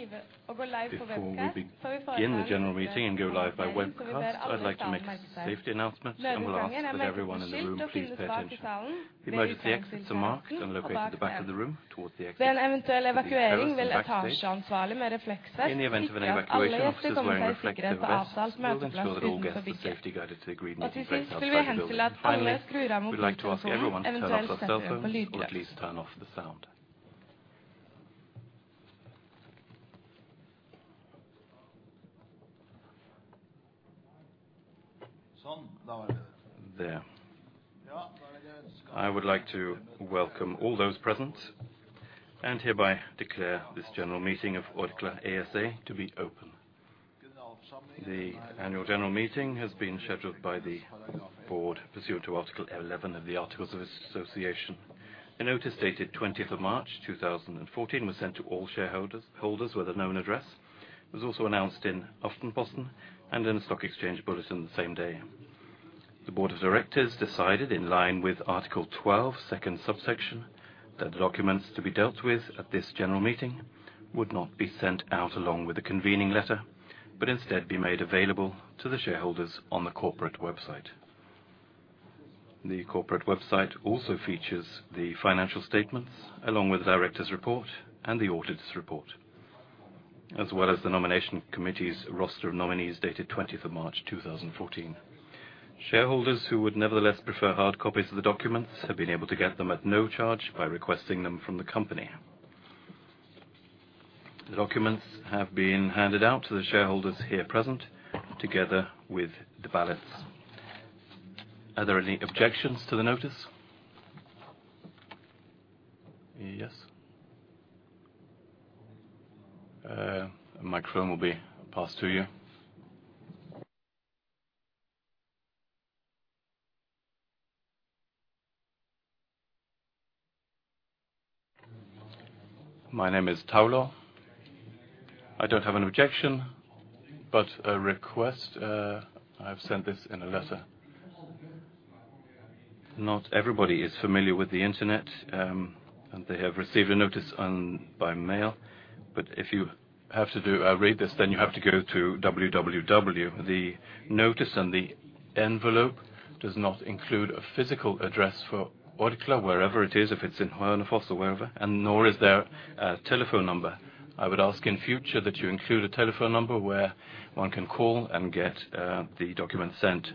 Before we begin the general meeting and go live by webcast, I'd like to make a safety announcement and will ask that everyone in the room please pay attention. Emergency exits are marked and located at the back of the room towards the exits. In the event of an evacuation, officers wearing reflective vests will ensure that all guests are safely guided to the agreed meeting place outside the building. Finally, we'd like to ask everyone to turn off their cell phones, or at least turn off the sound. There. I would like to welcome all those present, and hereby declare this general meeting of Orkla ASA to be open. The annual general meeting has been scheduled by the board, pursuant to Article eleven of the Articles of Association. A notice dated 20th of March, 2014 was sent to all shareholders, holders with a known address. It was also announced in Aftenposten and in the stock exchange bulletin the same day. The Board of Directors decided, in line with Article 12, second subsection, that the documents to be dealt with at this general meeting would not be sent out along with the convening letter, but instead be made available to the shareholders on the corporate website. The corporate website also features the financial statements, along with the directors' report and the auditors' report, as well as the nomination committee's roster of nominees, dated 20th of March, 2014. Shareholders who would nevertheless prefer hard copies of the documents, have been able to get them at no charge by requesting them from the company. The documents have been handed out to the shareholders here present, together with the ballots. Are there any objections to the notice? Yes. A microphone will be passed to you. My name is Tollef. I don't have an objection, but a request. I've sent this in a letter. Not everybody is familiar with the Internet, and they have received a notice by mail, but if you have to read this, then you have to go to www. The notice on the envelope does not include a physical address for Orkla, wherever it is, if it's in Hønefoss or wherever, and nor is there a telephone number. I would ask in future that you include a telephone number where one can call and get the documents sent.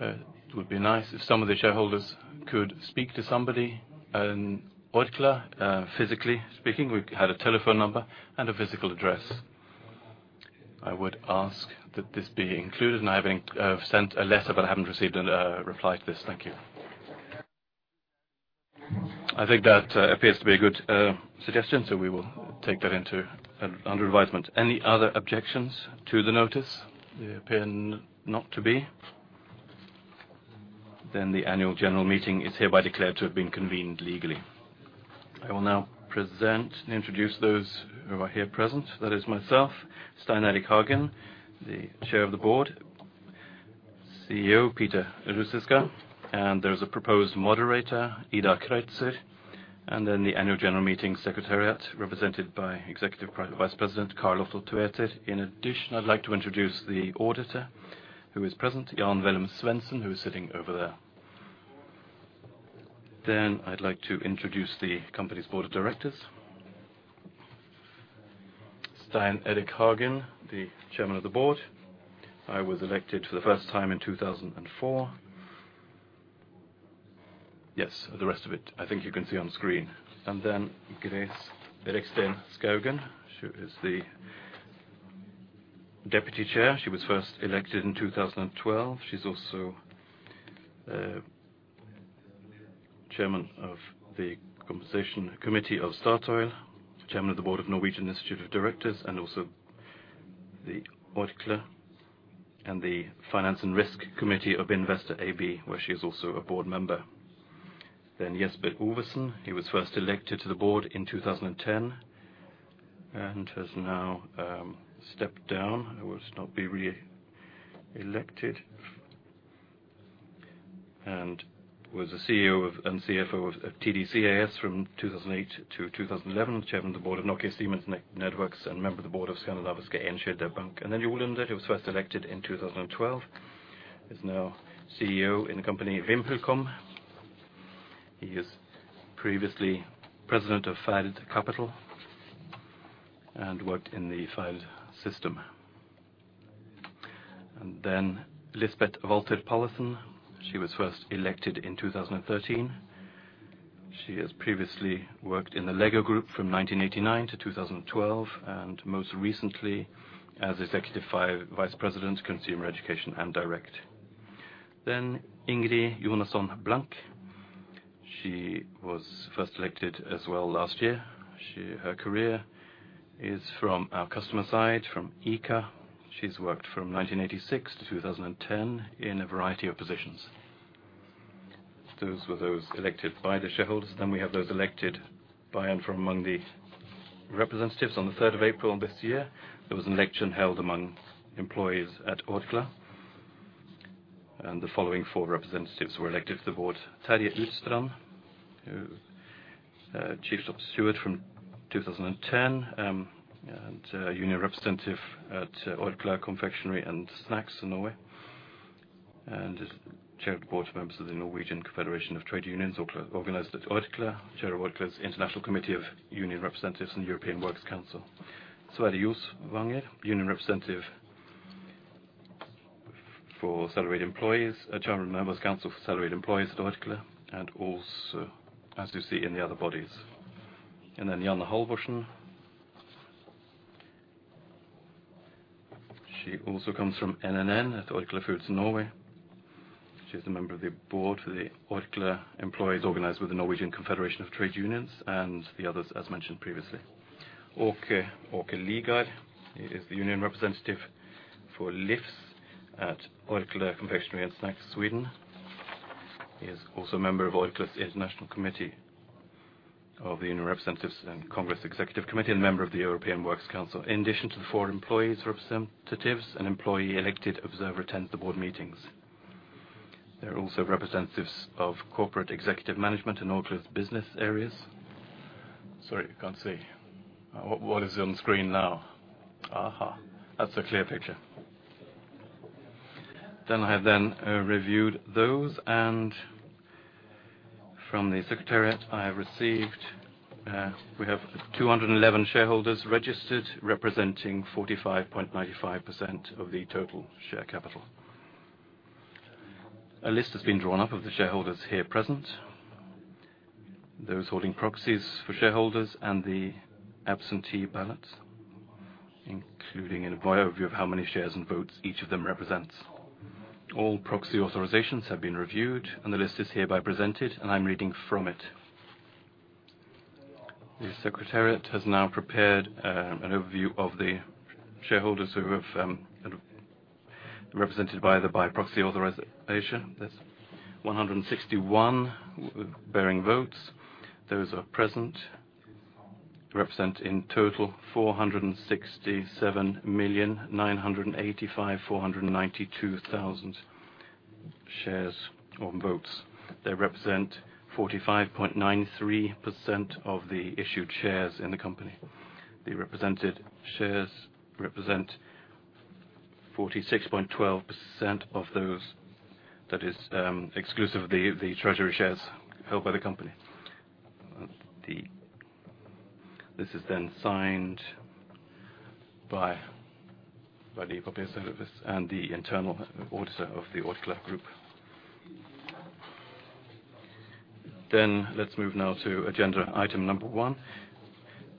It would be nice if some of the shareholders could speak to somebody in Orkla. Physically speaking, we've had a telephone number and a physical address. I would ask that this be included, and I have sent a letter, but I haven't received a reply to this. Thank you. I think that appears to be a good suggestion, so we will take that under advisement. Any other objections to the notice? There appear not to be. Then the annual general meeting is hereby declared to have been convened legally. I will now present and introduce those who are here present. That is myself, Stein Erik Hagen, the Chair of the Board, CEO Peter Ruzicka, and there's a proposed moderator, Idar Kreutzer, and then the annual general meeting secretariat, represented by Executive Vice President Karl Otto Tveter. In addition, I'd like to introduce the auditor, who is present, Jan Egil Svendsen, who is sitting over there. Then I'd like to introduce the company's board of directors. Stein Erik Hagen, the Chairman of the Board. I was elected for the first time in 2004. Yes, the rest of it, I think you can see on screen. And then Grace Reksten Skaugen. She is the Deputy Chair. She was first elected in 2012. She's also Chairman of the Compensation Committee of Statoil, Chairman of the Board of Norwegian Institute of Directors, and also the Orkla and the Finance and Risk Committee of Investor AB, where she is also a board member. Then Jesper Ovesen, he was first elected to the board in 2010, and has now stepped down, and will not be re-elected. He was the CEO of, and CFO of TDC AS from 2008 to 2011, Chairman of the Board of Nokia Siemens Networks, and member of the Board of Skandinaviska Enskilda Banken. Jo Lunder was first elected in 2012, is now CEO in the company VimpelCom. He is previously President of Ferd Capital and worked in the Ferd system. Lisbeth Valther Pallesen was first elected in 2013. She has previously worked in the Lego Group from 1989 to 2012, and most recently as Executive Vice President, Community, Education and Direct. Ingrid Jonasson Blank was first elected as well last year. She, her career is from our customer side, from ICA. She has worked from 1986 to 2010 in a variety of positions. Those were those elected by the shareholders, then we have those elected by and from among the representatives. On the third of April this year, there was an election held among employees at Orkla. And the following four representatives were elected to the board: Terje Utstrand, who, Chief Shop Steward from 2010, and, union representative at Orkla Confectionery & Snacks in Norway, and is chair of the board members of the Norwegian Confederation of Trade Unions, organized at Orkla. Chair of Orkla's International Committee of Union Representatives and European Works Council. Sverre Josvanger, union representative for salaried employees, chairman of members council for salaried employees at Orkla, and also, as you see, in the other bodies, and then Janne Halvorsen. She also comes from NNN at Orkla Foods Norway. She's a member of the board for the Orkla employees organized with the Norwegian Confederation of Trade Unions and the others, as mentioned previously. Åke, Åke Liagård is the union representative for Livs at Orkla Confectionery & Snacks Sweden. He is also a member of Orkla's International Committee of the Union Representatives and Congress Executive Committee, and a member of the European Works Council. In addition to the four employees' representatives, an employee-elected observer attends the board meetings. There are also representatives of corporate executive management in Orkla's business areas. Sorry, you can't see. What, what is on the screen now? Aha, that's a clear picture. Then I have reviewed those, and from the secretariat I have received. We have 211 shareholders registered, representing 45.95% of the total share capital. A list has been drawn up of the shareholders here present, those holding proxies for shareholders and the absentee ballots, including an overview of how many shares and votes each of them represents. All proxy authorizations have been reviewed, and the list is hereby presented, and I'm reading from it. The secretariat has now prepared an overview of the shareholders who have represented by proxy authorization. There's 161 bearing votes. Those present represent in total 467,985,492 shares or votes. They represent 45.93% of the issued shares in the company. The represented shares represent 46.12% of those, that is, exclusive of the treasury shares held by the company. The... This is then signed by the proper service and the internal auditor of the Orkla Group. Then, let's move now to agenda item number one.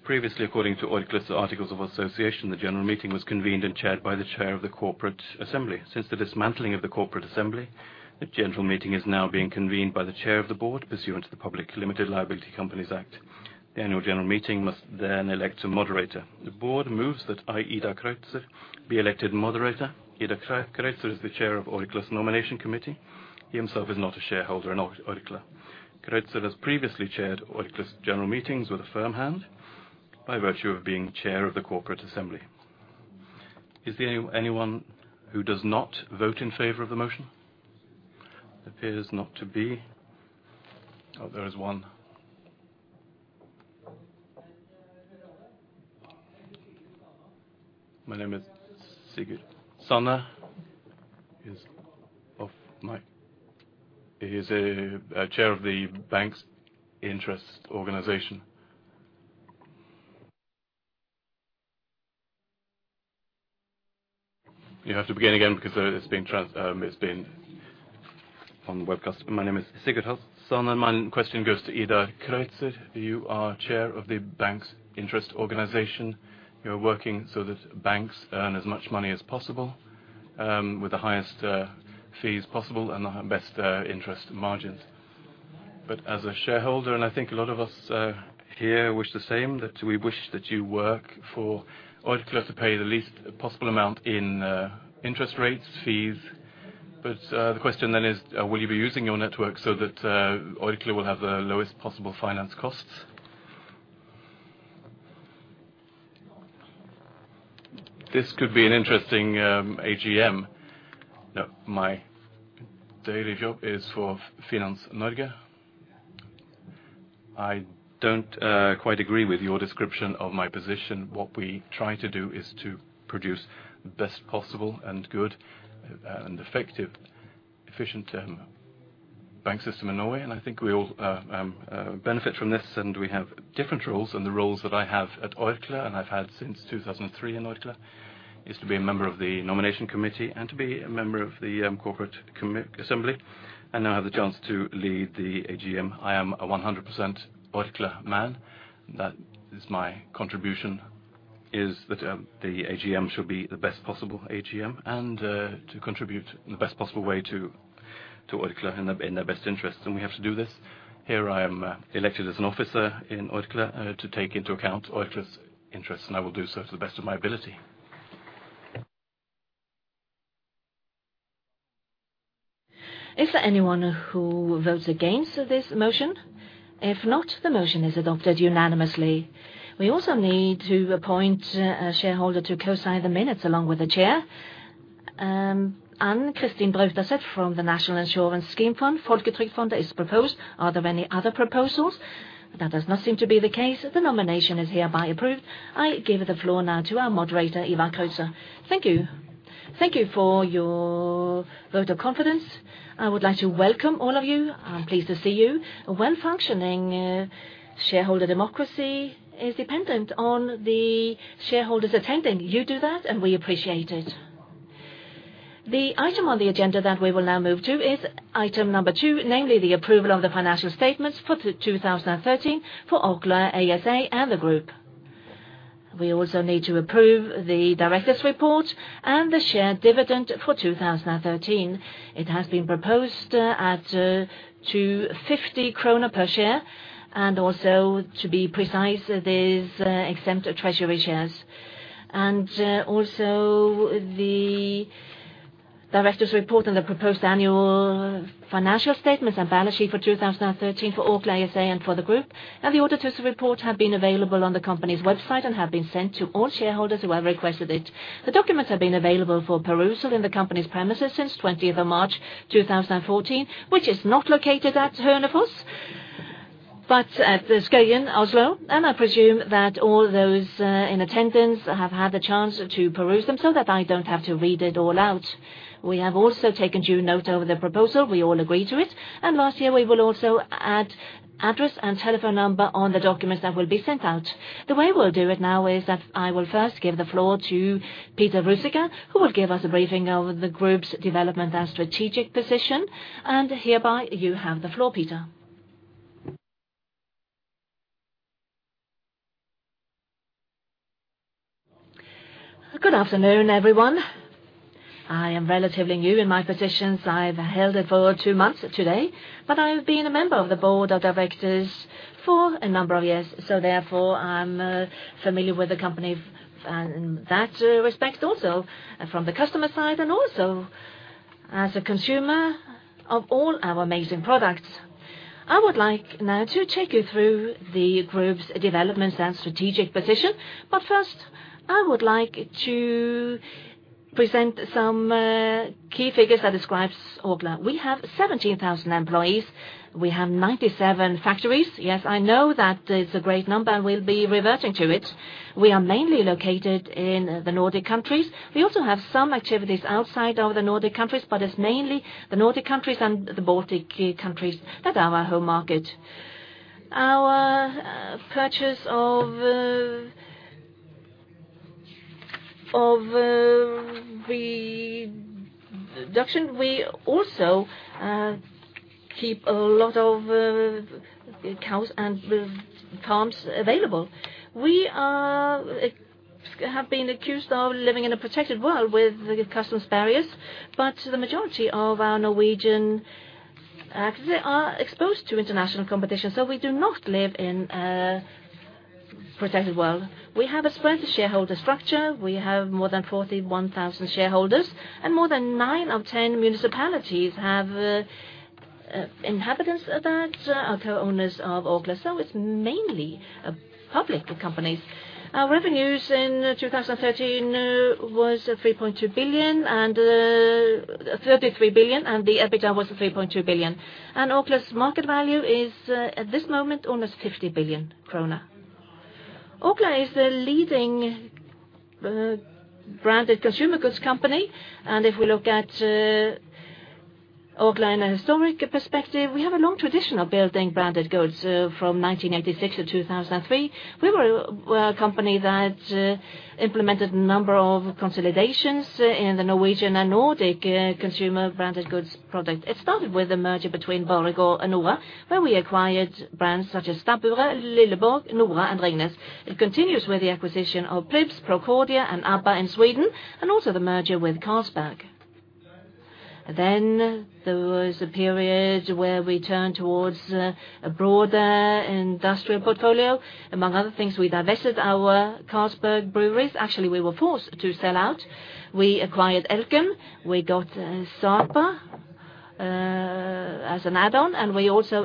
Previously, according to Orkla's Articles of Association, the general meeting was convened and chaired by the chair of the corporate assembly. Since the dismantling of the corporate assembly, the general meeting is now being convened by the chair of the board, pursuant to the Public Limited Liability Companies Act. The annual general meeting must then elect a moderator. The board moves that I, Idar Kreutzer, be elected moderator. Idar Kreutzer is the chair of Orkla's Nomination Committee. He himself is not a shareholder in Orkla. Kreutzer has previously chaired Orkla's general meetings with a firm hand by virtue of being chair of the corporate assembly. Is there anyone who does not vote in favor of the motion? Appears not to be. Oh, there is one. My name is Sigurd Sæther, and my question goes to Idar Kreutzer. You are chair of the Banks' Interest Organization. You're working so that banks earn as much money as possible, with the highest fees possible and the best interest margins. But as a shareholder, and I think a lot of us here wish the same, that we wish that you work for Orkla to pay the least possible amount in interest rates, fees. But the question then is, will you be using your network so that Orkla will have the lowest possible finance costs? This could be an interesting AGM. No, my daily job is for Finans Norge. I don't quite agree with your description of my position. What we try to do is to produce the best possible and good and effective, efficient bank system in Norway, and I think we all benefit from this, and we have different roles, and the roles that I have at Orkla, and I've had since 2003 in Orkla, is to be a member of the Nomination Committee and to be a member of the Corporate Assembly, and now I have the chance to lead the AGM. I am a 100% Orkla man. That is my contribution, is that the AGM should be the best possible AGM, and to contribute in the best possible way to Orkla in their best interests, and we have to do this. Here, I am elected as an officer in Orkla to take into account Orkla's interests, and I will do so to the best of my ability. Is there anyone who votes against this motion? If not, the motion is adopted unanimously. We also need to appoint a shareholder to co-sign the minutes along with the chair. Anne-Kristin Brautaset from the National Insurance Scheme Fund, Folketrygdfondet, is proposed. Are there any other proposals? That does not seem to be the case. The nomination is hereby approved. I give the floor now to our moderator, Idar Kreutzer. Thank you. Thank you for your vote of confidence. I would like to welcome all of you. I'm pleased to see you. A well-functioning shareholder democracy is dependent on the shareholders attending. You do that, and we appreciate it. The item on the agenda that we will now move to is item number two, namely the approval of the financial statements for 2013 for Orkla ASA and the group. We also need to approve the directors' report and the share dividend for 2013. It has been proposed at 50 kroner per share, and also, to be precise, it is except treasury shares. Also the directors' report and the proposed annual financial statements and balance sheet for 2013 for Orkla ASA and for the group, and the auditor's report have been available on the company's website and have been sent to all shareholders who have requested it. The documents have been available for perusal in the company's premises since 20th of March, 2014, which is not located at Hønefoss, but at Skøyen, Oslo. I presume that all those in attendance have had the chance to peruse them so that I don't have to read it all out. We have also taken due note of the proposal. We all agree to it, and last year, we will also add address and telephone number on the documents that will be sent out. The way we'll do it now is that I will first give the floor to Peter Ruzicka, who will give us a briefing of the group's development and strategic position, and hereby, you have the floor, Peter. Good afternoon, everyone. I am relatively new in my position. I've held it for two months today, but I've been a member of the board of directors for a number of years, so therefore, I'm familiar with the company in that respect, also from the customer side and also as a consumer of all our amazing products. I would like now to take you through the group's developments and strategic position. But first, I would like to present some key figures that describes Orkla. We have 17,000 employees. We have 97 factories. Yes, I know that is a great number, and we'll be reverting to it. We are mainly located in the Nordic countries. We also have some activities outside of the Nordic countries, but it's mainly the Nordic countries and the Baltic countries that are our home market. Our purchase of reduction, we also keep a lot of cows and farms available. We have been accused of living in a protected world with customs barriers, but the majority of our Norwegian activities are exposed to international competition, so we do not live in a protected world. We have a spread shareholder structure. We have more than 41,000 shareholders, and more than nine out of ten municipalities have inhabitants that are co-owners of Orkla, so it's mainly a public company. Our revenues in 2013 was 3.2 billion, and 33 billion, and the EBITDA was 3.2 billion. And Orkla's market value is, at this moment, almost 50 billion krone. Orkla is a leading Branded Consumer Goods company, and if we look at Orkla in a historic perspective, we have a long tradition of building branded goods. From 1986 to 2003, we were a company that implemented a number of consolidations in the Norwegian and Nordic consumer branded goods product. It started with a merger between Borregaard and Nora, where we acquired brands such as Stabburet, Lilleborg, Nora, and Ringnes. It continues with the acquisition of Pripps, Procordia, and Abba in Sweden, and also the merger with Carlsberg. Then there was a period where we turned towards a broader industrial portfolio. Among other things, we divested our Carlsberg breweries. Actually, we were forced to sell out. We acquired Elkem. We got Sapa as an add-on, and we also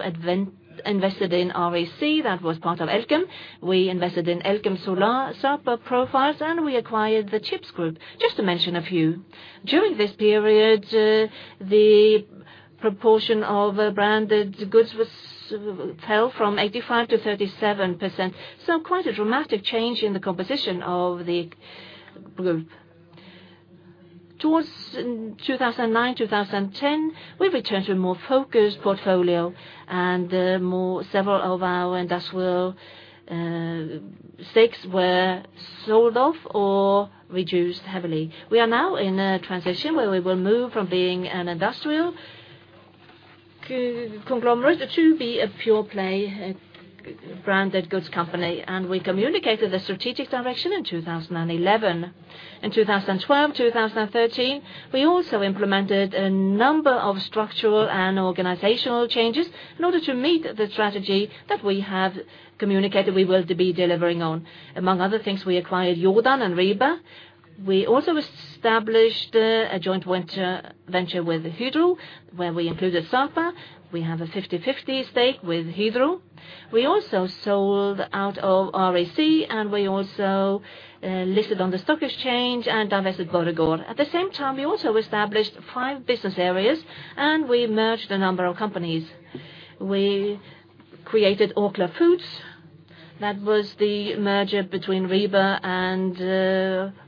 invested in REC. That was part of Elkem. We invested in Elkem Solar, Sapa Profiles, and we acquired the Chips Group, just to mention a few. During this period, the proportion of branded goods fell from 85% to 37%, so quite a dramatic change in the composition of the group. Towards 2009, 2010, we returned to a more focused portfolio, and more several of our industrial stakes were sold off or reduced heavily. We are now in a transition where we will move from being an industrial conglomerate to be a pure-play branded goods company, and we communicated the strategic direction in 2011. In 2012, 2013, we also implemented a number of structural and organizational changes in order to meet the strategy that we have communicated we were to be delivering on. Among other things, we acquired Jordan and Rieber. We also established a joint venture with Hydro, where we included Sapa. We have a 50-50 stake with Hydro. We also sold out of REC, and we also listed on the stock exchange and divested Borregaard. At the same time, we also established five business areas, and we merged a number of companies. We created Orkla Foods. That was the merger between Rieber and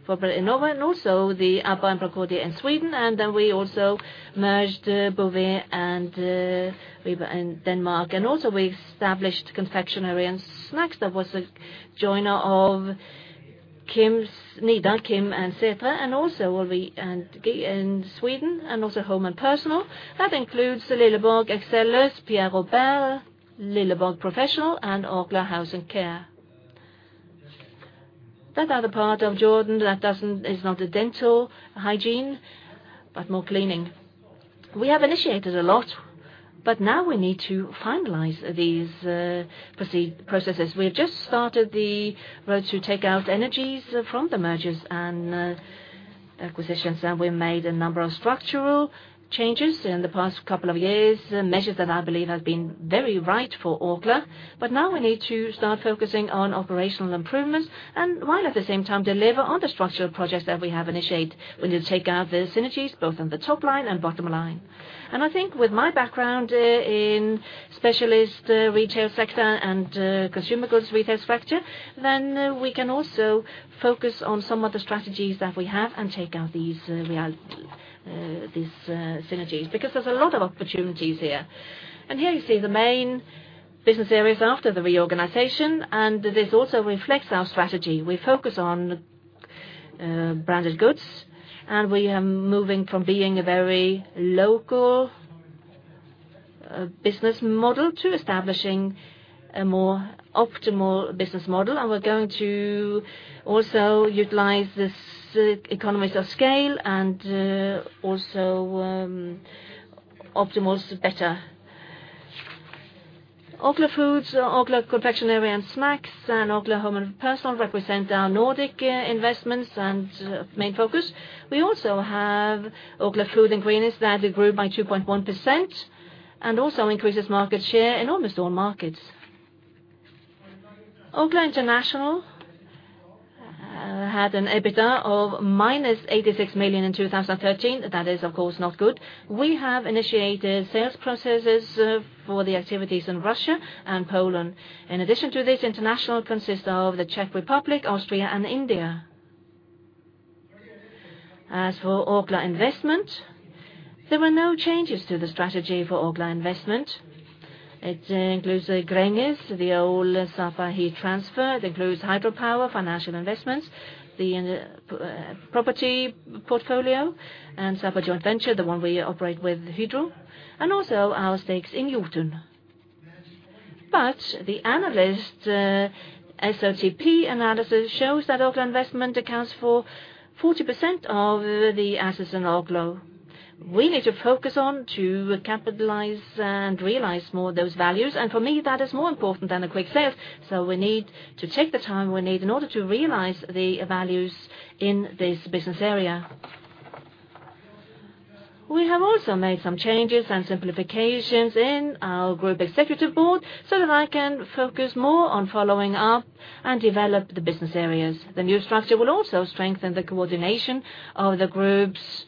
Procordia, and also the Abba and Procordia in Sweden. And then we also merged Beauvais and Rieber in Denmark. And also we established Confectionery & Snacks. That was a merger of KiMs, Nidar, OLW and Sætre, and also OLW and Göteborgs Kex in Sweden, and also Home & Personal. That includes the Lilleborg AS, Pierre Robert, Lilleborg Professional and Orkla House Care. That other part of Jordan, that doesn't, is not a dental hygiene, but more cleaning. We have initiated a lot, but now we need to finalize these procedures, processes. We have just started the road to take out synergies from the mergers and acquisitions, and we made a number of structural changes in the past couple of years, measures that I believe have been very right for Orkla. But now we need to start focusing on operational improvements, and while at the same time, deliver on the structural projects that we have initiated. We need to take out the synergies, both on the top line and bottom line. And I think with my background in specialist retail sector and consumer goods retail sector, then we can also focus on some of the strategies that we have and take out these real synergies, because there's a lot of opportunities here. And here you see the main business areas after the reorganization, and this also reflects our strategy. We focus on branded goods, and we are moving from being a very local business model to establishing a more optimal business model. And we're going to also utilize this economies of scale and also optimize better. Orkla Foods, Orkla Confectionery & Snacks, and Orkla Home & Personal represent our Nordic investments and main focus. We also have Orkla Food Ingredients that grew by 2.1% and also increases market share in almost all markets. Orkla International had an EBITDA of -86 million in 2013. That is, of course, not good. We have initiated sales processes for the activities in Russia and Poland. In addition to this, International consists of the Czech Republic, Austria, and India. As for Orkla Investments, there were no changes to the strategy for Orkla Investments. It includes Gränges, the old Sapa Heat Transfer. It includes hydropower, financial investments, the property portfolio, and Sapa Joint Venture, the one we operate with Hydro, and also our stakes in Jotun. But the analyst SOTP analysis shows that Orkla Investments accounts for 40% of the assets in Orkla. We need to focus on to capitalize and realize more of those values, and for me, that is more important than a quick sale, so we need to take the time we need in order to realize the values in this business area. We have also made some changes and simplifications in our group executive board so that I can focus more on following up and develop the business areas. The new structure will also strengthen the coordination of the group's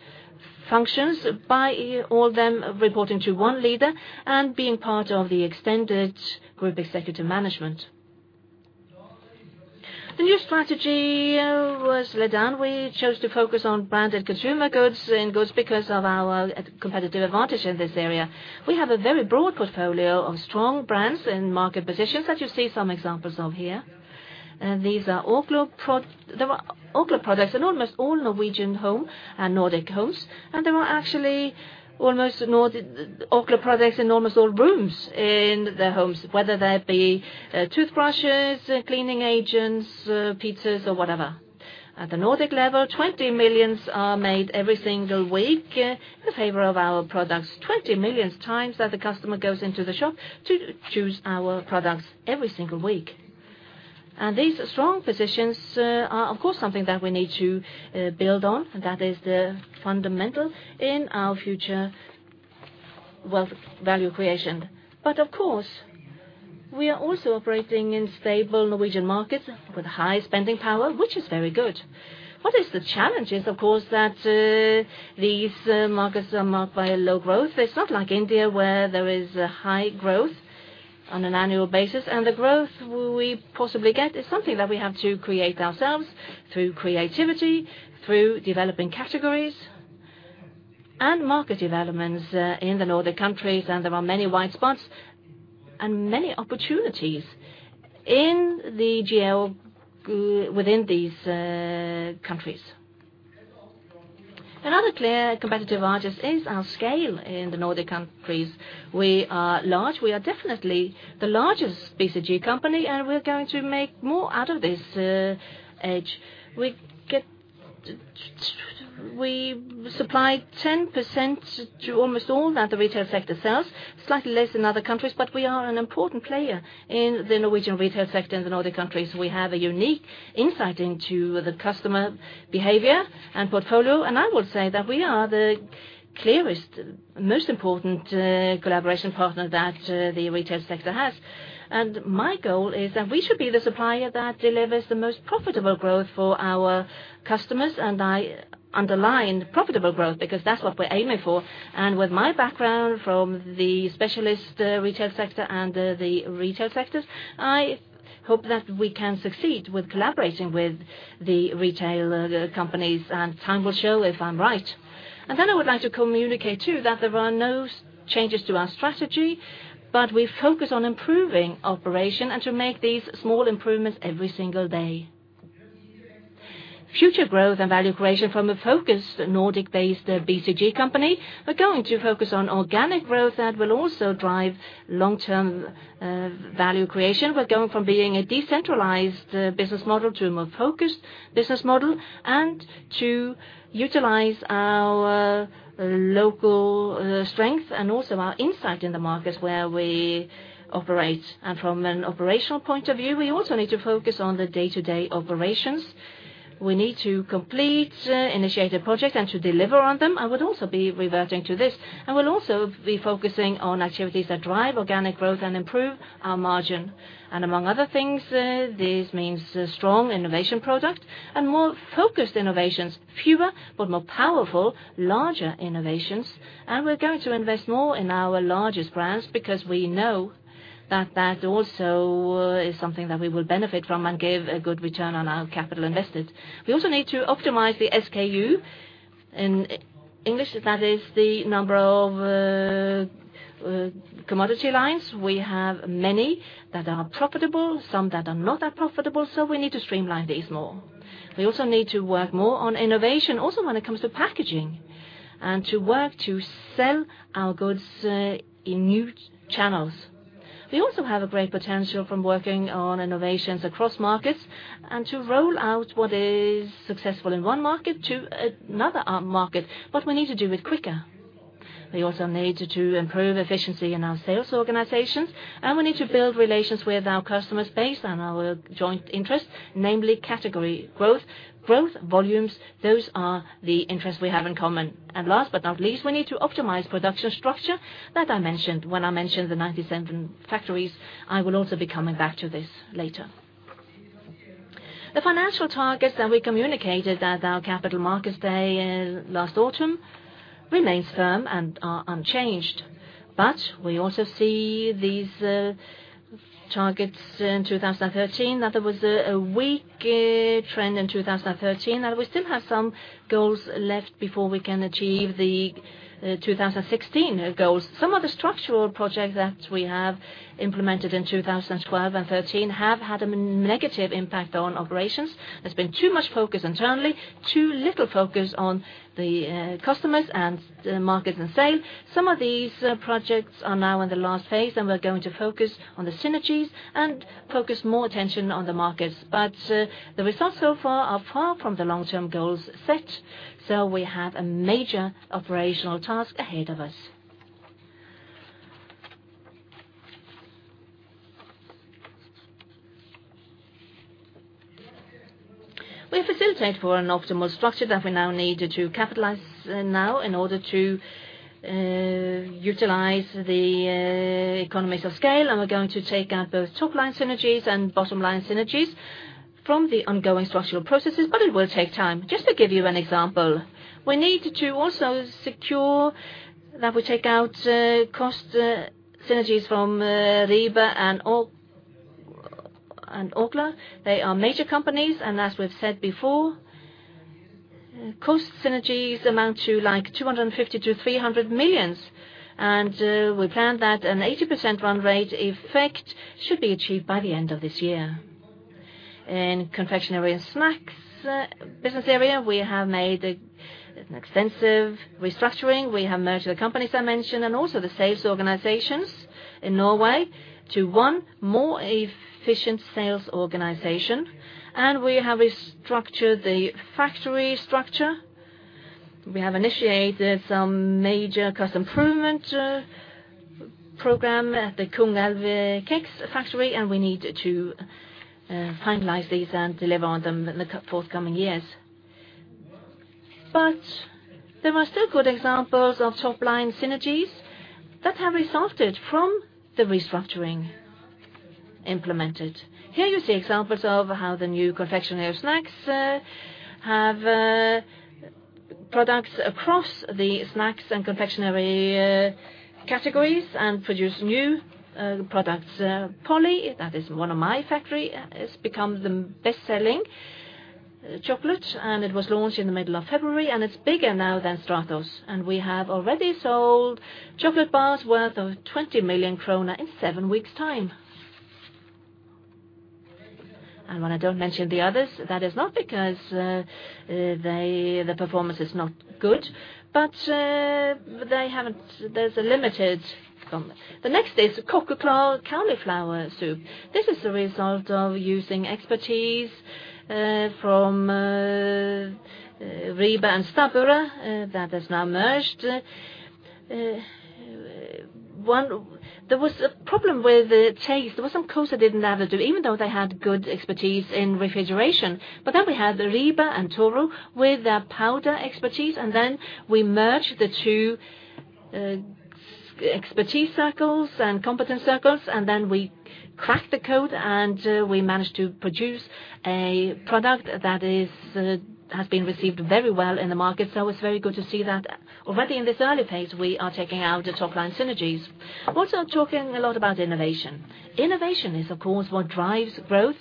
functions by all them reporting to one leader and being part of the extended group executive management. The new strategy was laid down. We chose to focus on Branded Consumer Goods and goods because of our competitive advantage in this area. We have a very broad portfolio of strong brands and market positions, as you see some examples of here. These are Orkla products in almost all Norwegian homes and Nordic homes, and there are actually Orkla products in almost all rooms in their homes, whether that be toothbrushes, cleaning agents, pizzas or whatever. At the Nordic level, 20 million are made every single week in favor of our products. 20 million times that the customer goes into the shop to choose our products every single week. These strong positions are, of course, something that we need to build on. That is the fundamental in our future wealth value creation. But of course, we are also operating in stable Norwegian markets with high spending power, which is very good. The challenge is, of course, that these markets are marked by a low growth. It's not like India, where there is a high growth on an annual basis, and the growth we possibly get is something that we have to create ourselves through creativity, through developing categories and market developments in the Nordic countries. There are many white spots and many opportunities in the GL within these countries. Another clear competitive advantage is our scale in the Nordic countries. We are large. We are definitely the largest FMCG company, and we're going to make more out of this edge. We supply 10% to almost all that the retail sector sells, slightly less in other countries, but we are an important player in the Norwegian retail sector in the Nordic countries. We have a unique insight into the customer behavior and portfolio, and I would say that we are the clearest, most important collaboration partner that the retail sector has. And my goal is that we should be the supplier that delivers the most profitable growth for our customers, and I underline profitable growth, because that's what we're aiming for. And with my background from the specialist retail sector and the retail sectors, I hope that we can succeed with collaborating with the retail companies, and time will show if I'm right. And then I would like to communicate, too, that there are no changes to our strategy, but we focus on improving operation and to make these small improvements every single day. Future growth and value creation from a focused Nordic-based BCG company, we're going to focus on organic growth that will also drive long-term value creation. We're going from being a decentralized business model to a more focused business model and to utilize our local strength and also our insight in the market where we operate. And from an operational point of view, we also need to focus on the day-to-day operations. We need to complete, initiate a project, and to deliver on them. I would also be reverting to this, and we'll also be focusing on activities that drive organic growth and improve our margin. And among other things, this means a strong innovation product and more focused innovations, fewer but more powerful, larger innovations. And we're going to invest more in our largest brands, because we know that that also is something that we will benefit from and give a good return on our capital invested. We also need to optimize the SKU. In English, that is the number of commodity lines. We have many that are profitable, some that are not that profitable, so we need to streamline these more. We also need to work more on innovation, also when it comes to packaging, and to work to sell our goods in new channels. We also have a great potential from working on innovations across markets and to roll out what is successful in one market to another market, but we need to do it quicker. We also need to improve efficiency in our sales organizations, and we need to build relations with our customer base and our joint interests, namely category growth, growth volumes. Those are the interests we have in common. Last but not least, we need to optimize production structure that I mentioned when I mentioned the ninety-seven factories. I will also be coming back to this later. The financial targets that we communicated at our Capital Markets Day last autumn remains firm and are unchanged. But we also see these targets in 2013, that there was a weak trend in 2013, and we still have some goals left before we can achieve the 2016 goals. Some of the structural projects that we have implemented in 2012 and 2013 have had a negative impact on operations. There's been too much focus internally, too little focus on the customers and the markets and sales. Some of these projects are now in the last phase, and we're going to focus on the synergies and focus more attention on the markets. But the results so far are far from the long-term goals set, so we have a major operational task ahead of us. We facilitate for an optimal structure that we now need to capitalize now in order to utilize the economies of scale, and we're going to take out both top-line synergies and bottom-line synergies from the ongoing structural processes, but it will take time. Just to give you an example, we need to also secure that we take out, cost, synergies from, Rieber and Orkla. They are major companies, and as we've said before, cost synergies amount to like 250-300 million, and, we plan that an 80% run rate effect should be achieved by the end of this year. In Confectionery & Snacks, business area, we have made a, an extensive restructuring. We have merged the companies I mentioned and also the sales organizations in Norway to one more efficient sales organization, and we have restructured the factory structure. We have initiated some major cost improvement, program at the Kungälv Kex factory, and we need to, finalize these and deliver on them in the forthcoming years. There are still good examples of top-line synergies that have resulted from the restructuring implemented. Here you see examples of how the new confectionery snacks have products across the snacks and confectionery categories and produce new products. Polly, that is one of my factory, has become the best-selling chocolate, and it was launched in the middle of February, and it's bigger now than Stratos. We have already sold chocolate bars worth 20 million kroner in seven weeks' time. When I don't mention the others, that is not because they, the performance is not good, but they haven't. There's a limited competition. The next is Kokkeklar Cauliflower Soup. This is a result of using expertise from Rieber and Stabburet that is now merged. There was a problem with the taste. There were some costs that didn't have it, even though they had good expertise in refrigeration. But then we had Rieber and Toro with their powder expertise, and then we merged the two, expertise circles and competence circles, and then we cracked the code, and, we managed to produce a product that is, has been received very well in the market. So it's very good to see that already in this early phase, we are taking out the top line synergies. We're also talking a lot about innovation. Innovation is, of course, what drives growth.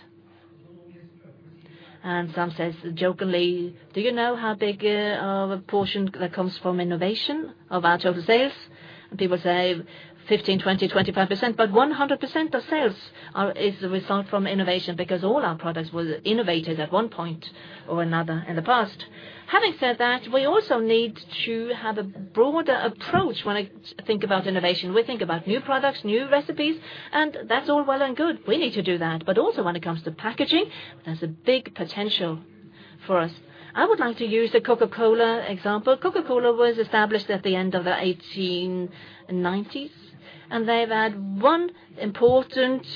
Some say jokingly, "Do you know how big of a portion that comes from innovation of our total sales?" People say 15%, 20%, 25%, but 100% of sales are- is a result from innovation, because all our products were innovated at one point or another in the past. Having said that, we also need to have a broader approach when I think about innovation. We think about new products, new recipes, and that's all well and good. We need to do that, but also, when it comes to packaging, there's a big potential for us. I would like to use the Coca-Cola example. Coca-Cola was established at the end of the eighteen nineties, and they've had one important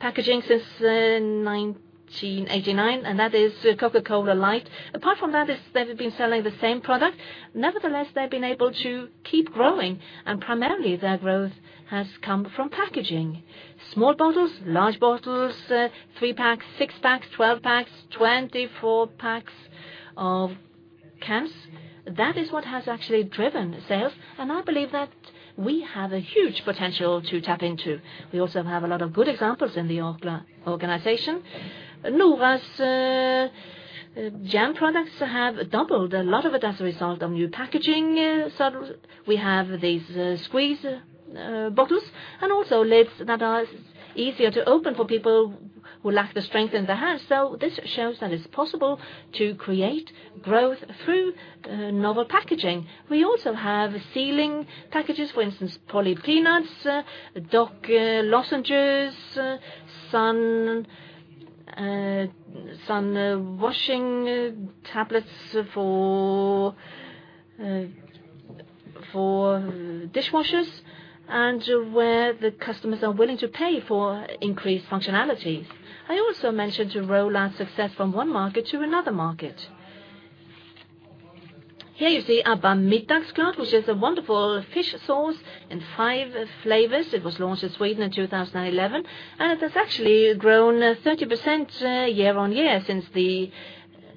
packaging since nineteen eighty-nine, and that is Coca-Cola Light. Apart from that, is they've been selling the same product. Nevertheless, they've been able to keep growing, and primarily their growth has come from packaging. Small bottles, large bottles, three packs, six packs, 12 packs, 24 packs of cans. That is what has actually driven sales, and I believe that we have a huge potential to tap into. We also have a lot of good examples in the Orkla organization. Nora's jam products have doubled, a lot of it as a result of new packaging. So we have these squeeze bottles and also lids that are easier to open for people who lack the strength in their hands. So this shows that it's possible to create growth through novel packaging. We also have sealing packages, for instance, Polly peanuts, Doc lozenges, Sun washing tablets for dishwashers, and where the customers are willing to pay for increased functionalities. I also mentioned to roll out success from one market to another market. Here you see Abba Middagsklart, which is a wonderful fish sauce in five flavors. It was launched in Sweden in 2011, and it has actually grown 30% year-on-year since the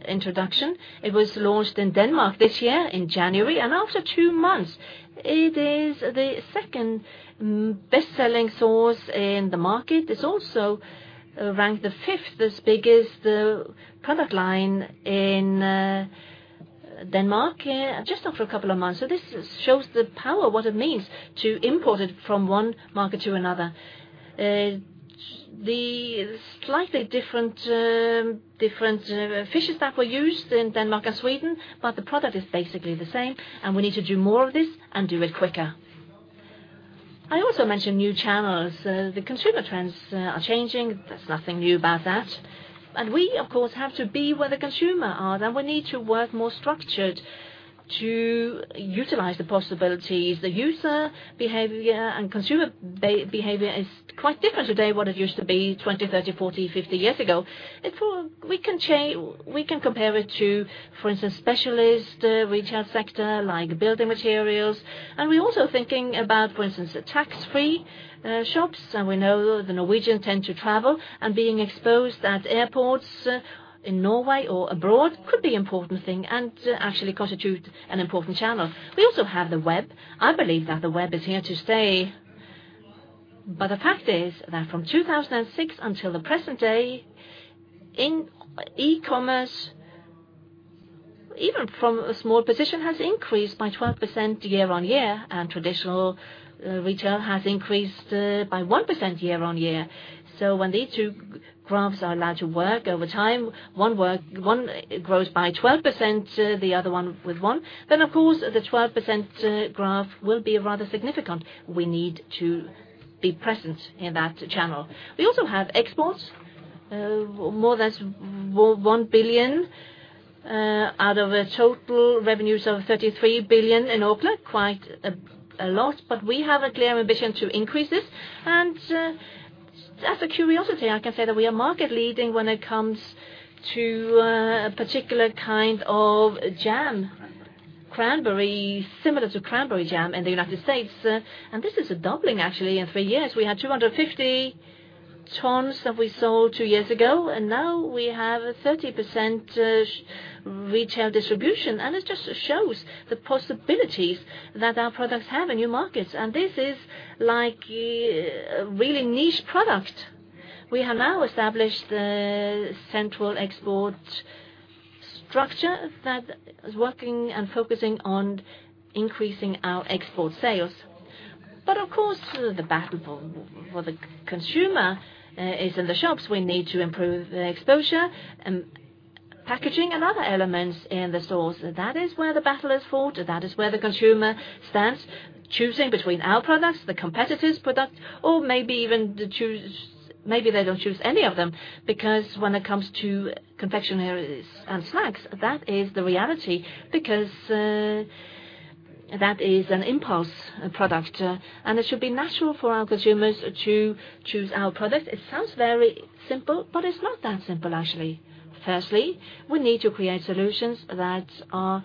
introduction. It was launched in Denmark this year, in January, and after two months, it is the second best-selling sauce in the market. It's also ranked the fifth as biggest product line in Denmark just after a couple of months. So this shows the power, what it means to import it from one market to another. The slightly different fishes that were used in Denmark and Sweden, but the product is basically the same, and we need to do more of this and do it quicker. I also mentioned new channels. The consumer trends are changing. There's nothing new about that. And we, of course, have to be where the consumer are, and we need to work more structured to utilize the possibilities. The user behavior and consumer behavior is quite different today than what it used to be 20,30,40,50 years ago. We can compare it to, for instance, specialist retail sector, like building materials. And we're also thinking about, for instance, the tax-free shops. And we know the Norwegian tend to travel, and being exposed at airports in Norway or abroad could be important thing and actually constitute an important channel. We also have the web. I believe that the web is here to stay, but the fact is that from 2006 until the present day, in e-commerce, even from a small position, has increased by 12% year-on-year, and traditional retail has increased by 1% year-on-year. So when these two graphs are allowed to work over time, one grows by 12%, the other one with 1%, then, of course, the 12% graph will be rather significant. We need to be present in that channel. We also have exports, more or less 1 billion out of a total revenues of 33 billion in Orkla. Quite a lot, but we have a clear ambition to increase this. And, as a curiosity, I can say that we are market leading when it comes to a particular kind of jam. Cranberry, similar to cranberry jam in the United States. And this is a doubling, actually, in three years. We had 250 tons that we sold two years ago, and now we have a 30%, retail distribution, and it just shows the possibilities that our products have in new markets. And this is like a really niche product. We have now established the central export structure that is working and focusing on increasing our export sales. But of course, the battle for, for the consumer, is in the shops. We need to improve the exposure and packaging and other elements in the stores. That is where the battle is fought. That is where the consumer stands, choosing between our products, the competitor's products, or maybe even to choose-... Maybe they don't choose any of them, because when it comes to confectioneries and snacks, that is the reality, because that is an impulse product, and it should be natural for our consumers to choose our product. It sounds very simple, but it's not that simple, actually. Firstly, we need to create solutions that are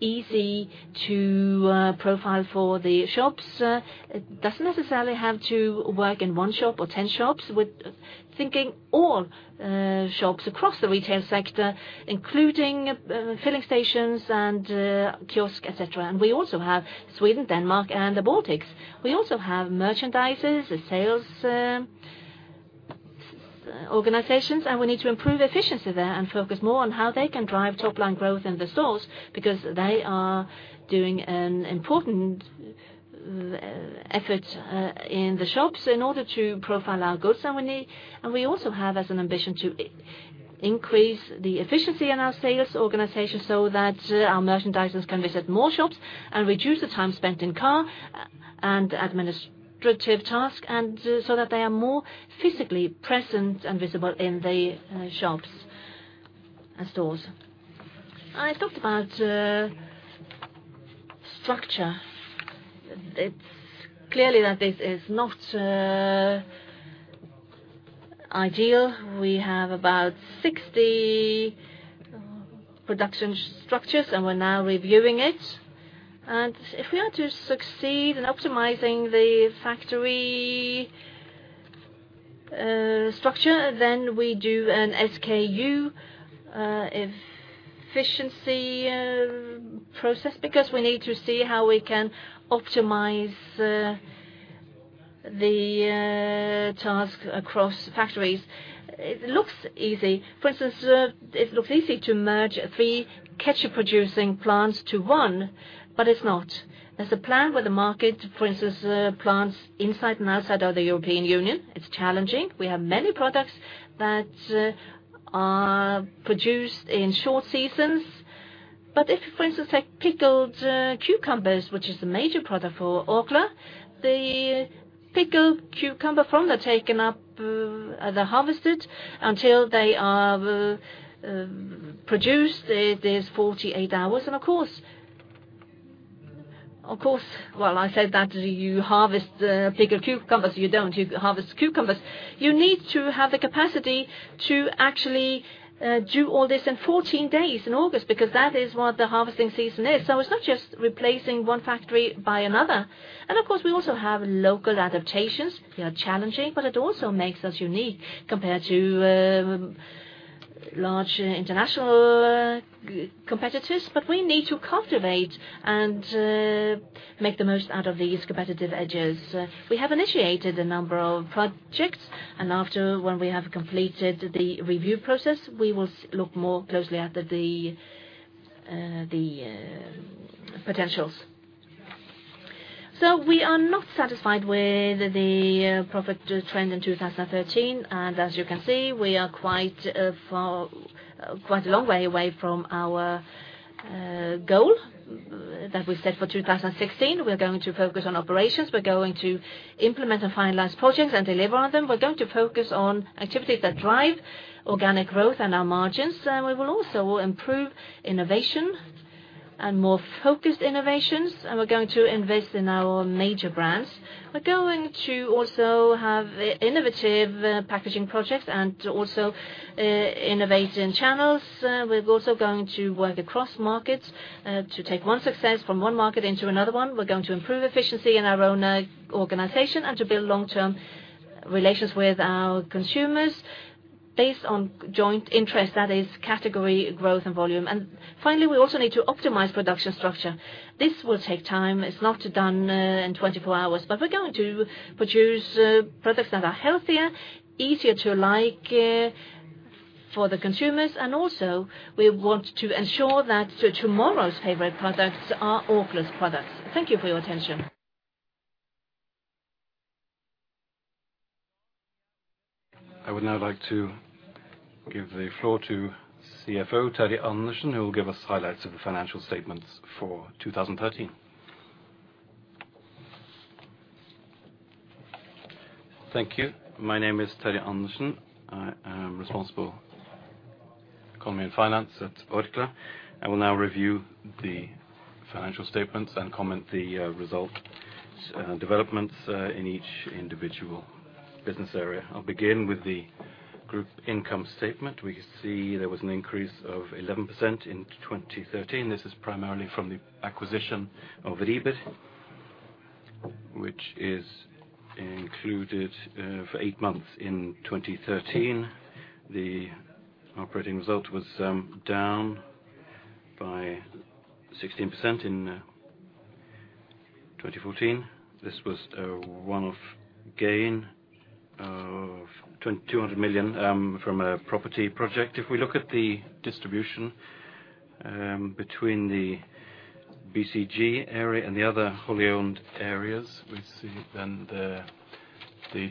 easy to profile for the shops. It doesn't necessarily have to work in one shop or ten shops, with thinking all shops across the retail sector, including filling stations and kiosk, et cetera. And we also have Sweden, Denmark, and the Baltics. We also have merchandisers and sales organizations, and we need to improve efficiency there and focus more on how they can drive top line growth in the stores, because they are doing an important effort in the shops in order to profile our goods. We also have as an ambition to increase the efficiency in our sales organization so that our merchandisers can visit more shops and reduce the time spent in car and administrative task, and so that they are more physically present and visible in the shops and stores. I talked about structure. It's clear that this is not ideal. We have about 60 production structures, and we're now reviewing it. And if we are to succeed in optimizing the factory structure, then we do an SKU efficiency process, because we need to see how we can optimize the task across factories. It looks easy. For instance, it looks easy to merge three ketchup-producing plants to one, but it's not. There's a plan where the market, for instance, plants inside and outside of the European Union, it's challenging. We have many products that are produced in short seasons. But if, for instance, like pickled cucumbers, which is a major product for Orkla, the pickled cucumber, from the taken up they're harvested until they are produced, there's 48 hours. And of course, well, I said that you harvest pickled cucumbers. You don't. You harvest cucumbers. You need to have the capacity to actually do all this in fourteen days in August, because that is what the harvesting season is. So it's not just replacing one factory by another. And of course, we also have local adaptations. They are challenging, but it also makes us unique compared to large international competitors. But we need to cultivate and make the most out of these competitive edges. We have initiated a number of projects, and after, when we have completed the review process, we will look more closely at the potentials. So we are not satisfied with the profit trend in 2013, and as you can see, we are quite far, quite a long way away from our goal that we set for 2016. We're going to focus on operations. We're going to implement and finalize projects and deliver on them. We're going to focus on activities that drive organic growth and our margins, and we will also improve innovation and more focused innovations, and we're going to invest in our major brands. We're going to also have innovative, packaging projects and also, innovative channels. We're also going to work across markets, to take one success from one market into another one. We're going to improve efficiency in our own, organization and to build long-term relations with our consumers based on joint interest, that is, category growth and volume, and finally, we also need to optimize production structure. This will take time. It's not done in 24 hours, but we're going to produce products that are healthier, easier to like for the consumers, and also, we want to ensure that tomorrow's favorite products are Orkla's products. Thank you for your attention. I would now like to give the floor to CFO Terje Andersen, who will give us highlights of the financial statements for 2013. Thank you. My name is Terje Andersen. I am responsible for economy and finance at Orkla. I will now review the financial statements and comment on the result developments in each individual business area. I'll begin with the group income statement. We see there was an increase of 11% in 2013. This is primarily from the acquisition of Rieber, which is included for eight months in 2013. The operating result was down by 16% in 2014. This was one-off gain of 200 million from a property project. If we look at the distribution between the BCG area and the other wholly owned areas, we see then the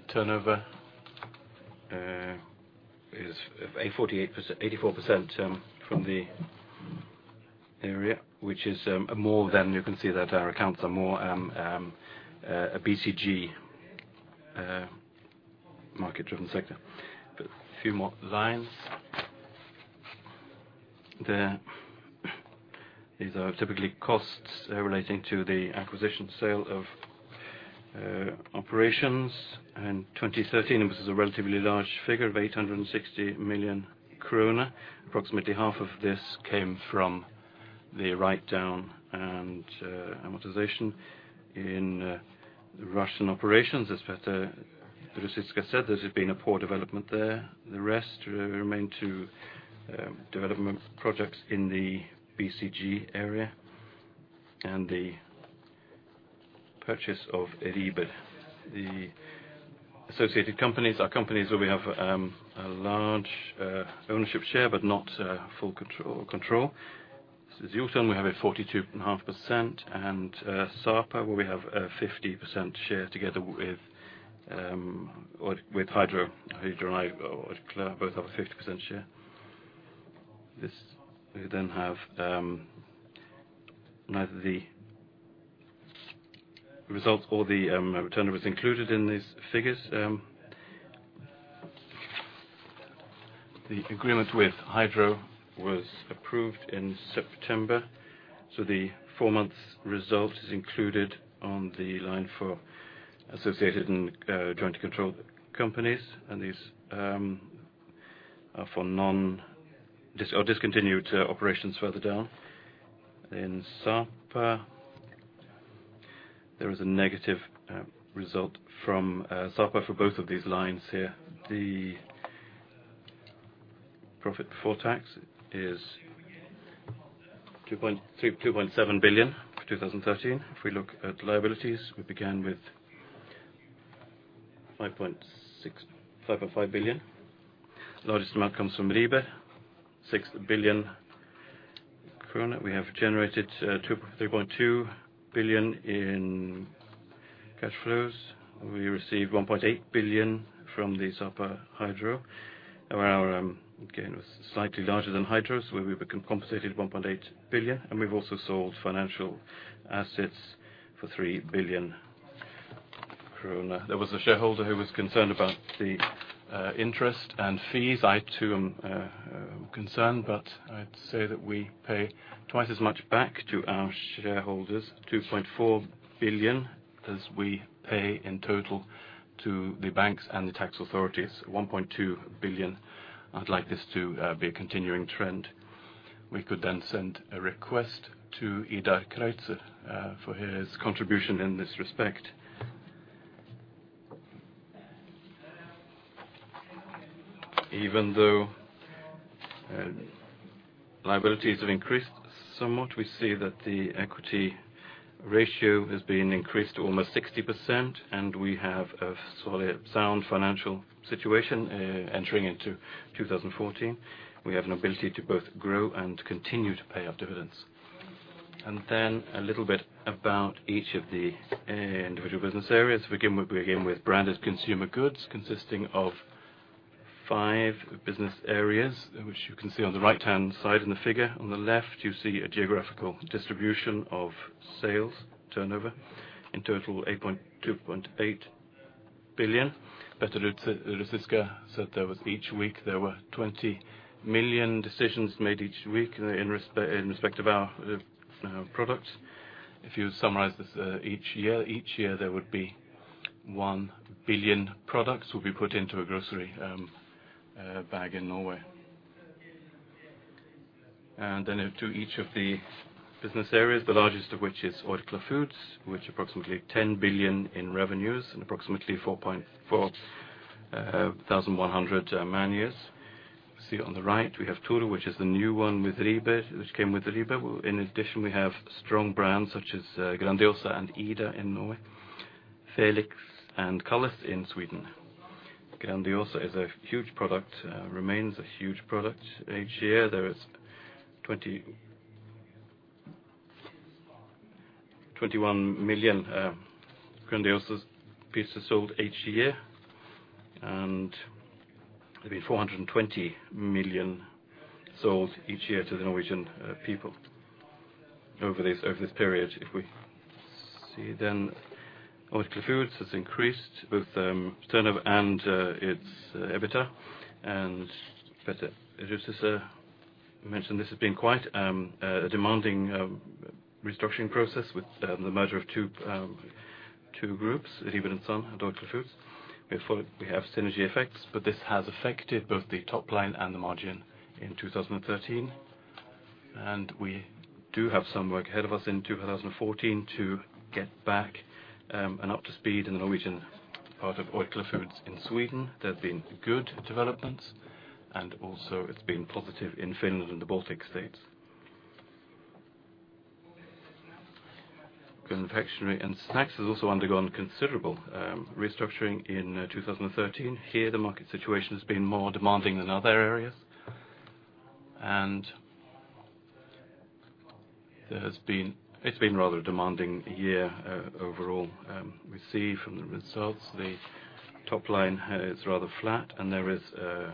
turnover is 84.8, 84% from the. area, which is more than you can see that our accounts are more a BCG market-driven sector. But a few more lines. There, these are typically costs relating to the acquisition, sale of operations. In 2013, it was a relatively large figure of 860 million kroner. Approximately half of this came from the write-down and amortization in the Russian operations. As Peter Ruzicka said, there has been a poor development there. The rest remain to development projects in the BCG area and the purchase of Rieber. The associated companies are companies where we have a large ownership share, but not full control. This is Jotun, we have a 42.5%, and Sapa, where we have a 50% share together with or with Hydro. Hydro and Orkla both have a 50% share. This, we then have, neither the results or the return was included in these figures. The agreement with Hydro was approved in September, so the four-month result is included on the line for associated and jointly controlled companies, and these are for non-discontinued or discontinued operations further down. In Sapa, there is a negative result from Sapa for both of these lines here. The profit before tax is 2.7 billion for 2013. If we look at liabilities, we began with 5.5 billion. Largest amount comes from Rieber, 6 billion krone. We have generated 3.2 billion in cash flows. We received 1.8 billion NOK from the Sapa Hydro, where our, again, was slightly larger than Hydro, so we've been compensated 1.8 billion NOK, and we've also sold financial assets for 3 billion krone. There was a shareholder who was concerned about the, interest and fees. I, too, am, concerned, but I'd say that we pay twice as much back to our shareholders, 2.4 billion NOK, as we pay in total to the banks and the tax authorities, 1.2 billion NOK. I'd like this to, be a continuing trend. We could then send a request to Idar Kreutzer, for his contribution in this respect. Even though, liabilities have increased somewhat, we see that the equity ratio has been increased to almost 60%, and we have a solid, sound financial situation, entering into 2014. We have an ability to both grow and continue to pay our dividends. Then a little bit about each of the individual business areas. We begin with Branded Consumer Goods, consisting of five business areas, which you can see on the right-hand side in the figure. On the left, you see a geographical distribution of sales turnover. In total, 2.8 billion. Peter Ruzicka said there were 20 million decisions made each week in respect of our products. If you summarize this, each year, there would be 1 billion products will be put into a grocery bag in Norway. And then to each of the business areas, the largest of which is Orkla Foods, which approximately 10 billion NOK in revenues and approximately 4,400 man years. You see on the right, we have Toro, which is the new one with Rieber, which came with Rieber. In addition, we have strong brands such as Grandiosa and Idun in Norway, Felix and Kalles in Sweden. Grandiosa is a huge product, remains a huge product. Each year, there is 21 million Grandiosa pieces sold each year, and it'd be 420 million sold each year to the Norwegian people over this period. If we see then, Orkla Foods has increased both turnover and its EBITDA. Peter Ruzicka mentioned this has been quite a demanding restructuring process with the merger of two groups, Rieber & Søn and Orkla Foods. Therefore, we have synergy effects, but this has affected both the top line and the margin in 2013. We do have some work ahead of us in 2014 to get back and up to speed in the Norwegian part of Orkla Foods. In Sweden, there have been good developments, and also it's been positive in Finland and the Baltic States. Confectionery & Snacks has also undergone considerable restructuring in 2013. Here, the market situation has been more demanding than other areas. There has been, it's been rather a demanding year overall. We see from the results, the top line is rather flat, and there is a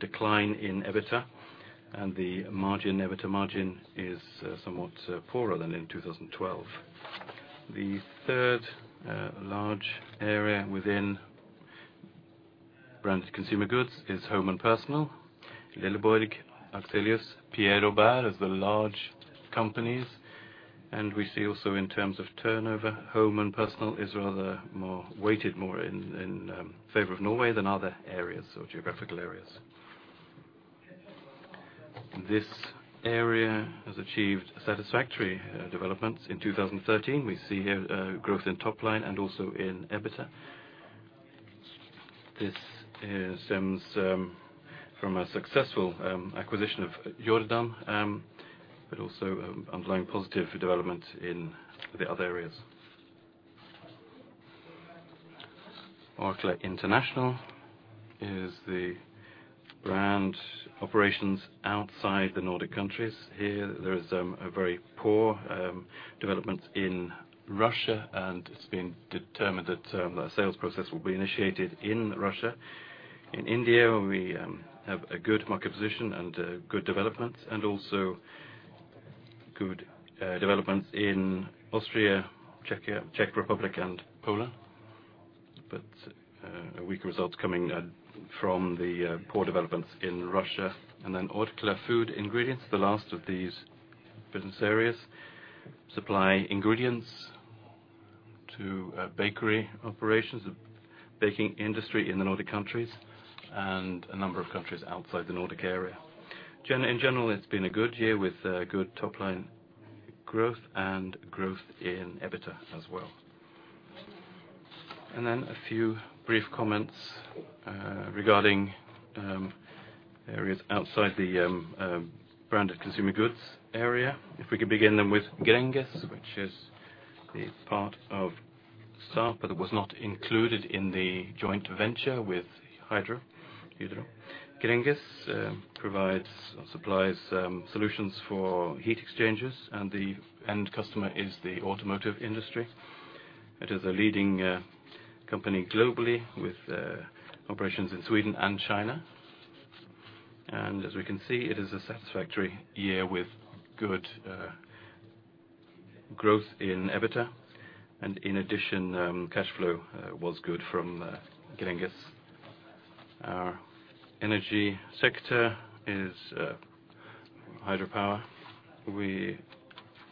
decline in EBITDA, and the margin, EBITDA margin, is somewhat poorer than in 2012. The third large area within Branded Consumer Goods is Home & Personal. Lilleborg, Axellus, Pierre Robert is the large companies, and we see also in terms of turnover, Home & Personal is rather more weighted more in favor of Norway than other areas, or geographical areas. This area has achieved satisfactory developments in 2013. We see here growth in top line and also in EBITDA. This stems from a successful acquisition of Jordan, but also underlying positive development in the other areas. Orkla International is the brand operations outside the Nordic countries. Here, there is a very poor development in Russia, and it's been determined that a sales process will be initiated in Russia. In India, we have a good market position and good development, and also good developments in Austria, Czech Republic, and Poland. But a weak result coming from the poor developments in Russia. Orkla Food Ingredients, the last of these business areas, supply ingredients to bakery operations, baking industry in the Nordic countries, and a number of countries outside the Nordic area. In general, it's been a good year with good top-line growth and growth in EBITDA as well. Then a few brief comments regarding areas outside the Branded Consumer Goods area. If we could begin then with Gränges, which is the part of Sapa that was not included in the joint venture with Hydro, Hydro. Gränges provides or supplies solutions for heat exchangers, and the end customer is the automotive industry. It is a leading company globally with operations in Sweden and China. And as we can see, it is a satisfactory year with good growth in EBITDA, and in addition, cash flow was good from Gränges. Our energy sector is hydropower. We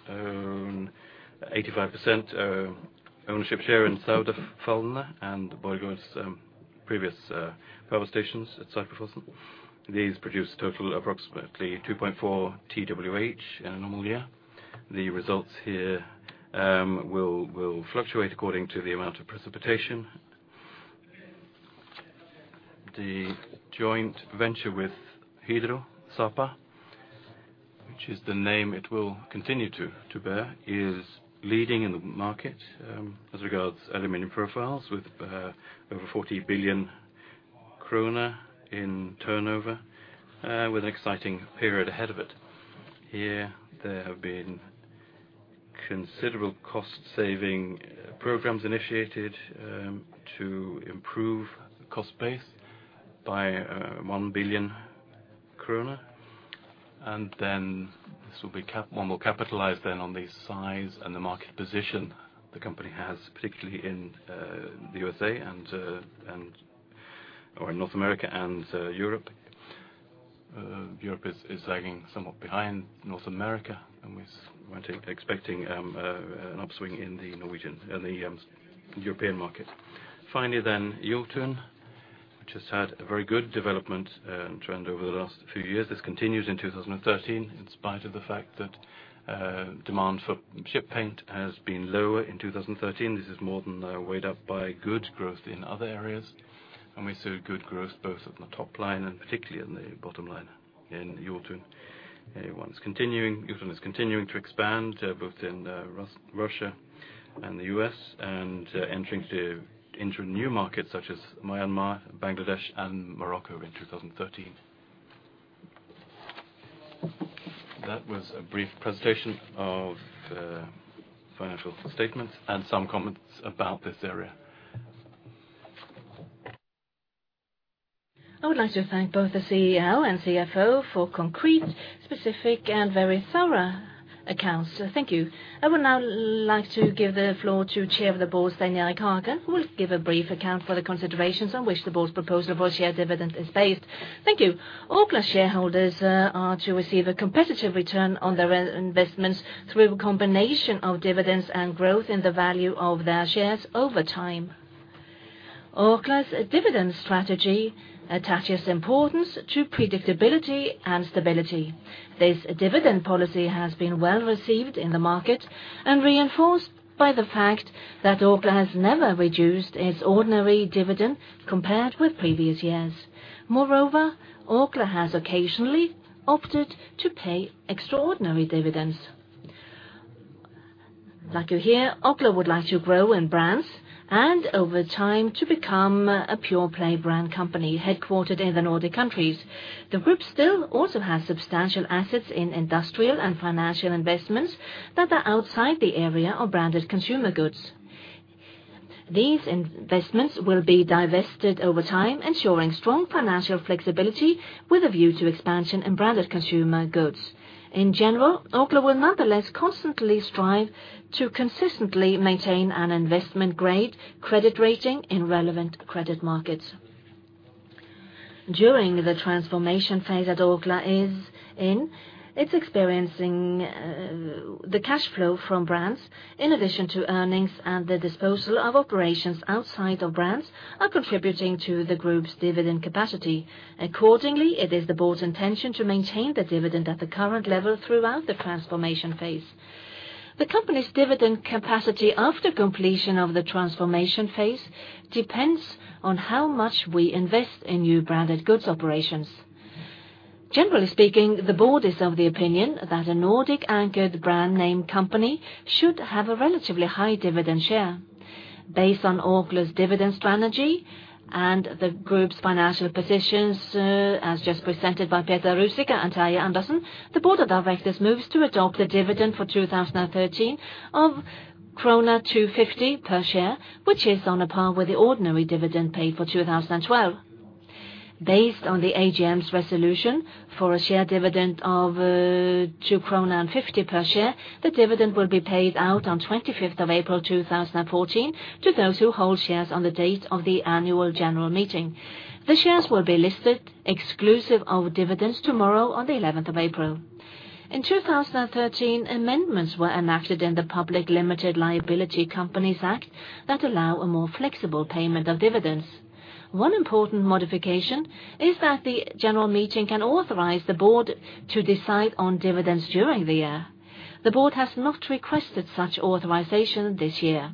own 85% ownership share in Saudefaldene and Borregaard's previous power stations at Sarpsfossen. These produce total approximately 2.4 TWh in a normal year. The results here will fluctuate according to the amount of precipitation. The joint venture with Hydro, Sapa, which is the name it will continue to bear, is leading in the market as regards aluminum profiles, with over 40 billion kroner in turnover, with an exciting period ahead of it. Here, there have been considerable cost-saving programs initiated to improve cost base by 1 billion kroner. And then this will be one, we'll capitalize then on the size and the market position the company has, particularly in the USA and, or in North America and Europe. Europe is lagging somewhat behind North America, and we're expecting an upswing in the Norwegian and the European market. Finally, then, Jotun, which has had a very good development trend over the last few years. This continues in 2013, in spite of the fact that, demand for ship paint has been lower in 2013. This is more than weighed up by good growth in other areas, and we saw good growth both at the top line and particularly in the bottom line in Jotun. Jotun is continuing to expand both in Russia and the U.S. and entering into new markets such as Myanmar, Bangladesh, and Morocco in 2013. That was a brief presentation of financial statements and some comments about this area. I would like to thank both the CEO and CFO for concrete, specific, and very thorough accounts. Thank you. I would now like to give the floor to Chair of the Board, Stein Erik Hagen, who will give a brief account for the considerations on which the board's proposal for share dividend is based. Thank you. Orkla shareholders are to receive a competitive return on their investments through a combination of dividends and growth in the value of their shares over time. Orkla's dividend strategy attaches importance to predictability and stability. This dividend policy has been well-received in the market and reinforced by the fact that Orkla has never reduced its ordinary dividend compared with previous years. Moreover, Orkla has occasionally opted to pay extraordinary dividends. Like you hear, Orkla would like to grow in brands, and over time, to become a pure play brand company headquartered in the Nordic countries. The group still also has substantial assets in industrial and financial investments that are outside the area of Branded Consumer Goods. These investments will be divested over time, ensuring strong financial flexibility with a view to expansion in Branded Consumer Goods. In general, Orkla will nonetheless constantly strive to consistently maintain an investment-grade credit rating in relevant credit markets. During the transformation phase that Orkla is in, it's experiencing, the cash flow from brands, in addition to earnings and the disposal of operations outside of brands, are contributing to the group's dividend capacity. Accordingly, it is the board's intention to maintain the dividend at the current level throughout the transformation phase. The company's dividend capacity after completion of the transformation phase depends on how much we invest in new branded goods operations. Generally speaking, the board is of the opinion that a Nordic-anchored brand name company should have a relatively high dividend share. Based on Orkla's dividend strategy and the group's financial positions, as just presented by Peter Ruzicka and Terje Andersen, the board of directors moves to adopt a dividend for 2013 of krone 2.50 per share, which is on par with the ordinary dividend paid for 2012. Based on the AGM's resolution for a share dividend of 2.50 krone per share, the dividend will be paid out on 25th of April, 2014 to those who hold shares on the date of the annual general meeting. The shares will be listed exclusive of dividends tomorrow on the eleventh of April. In 2013, amendments were enacted in the Public Limited Liability Companies Act that allow a more flexible payment of dividends. One important modification is that the general meeting can authorize the board to decide on dividends during the year. The board has not requested such authorization this year.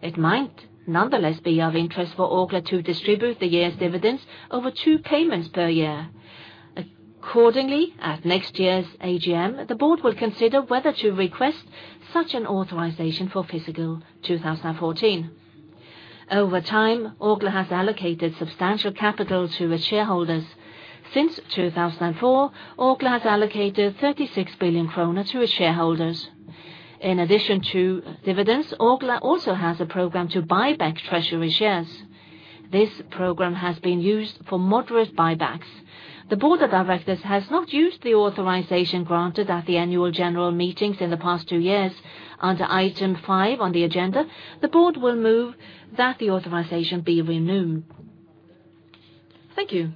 It might nonetheless be of interest for Orkla to distribute the year's dividends over two payments per year. Accordingly, at next year's AGM, the board will consider whether to request such an authorization for fiscal 2014. Over time, Orkla has allocated substantial capital to its shareholders. Since 2004, Orkla has allocated 36 billion kroner to its shareholders. In addition to dividends, Orkla also has a program to buy back treasury shares. This program has been used for moderate buybacks. The board of directors has not used the authorization granted at the annual general meetings in the past two years. Under item five on the agenda, the board will move that the authorization be renewed. Thank you.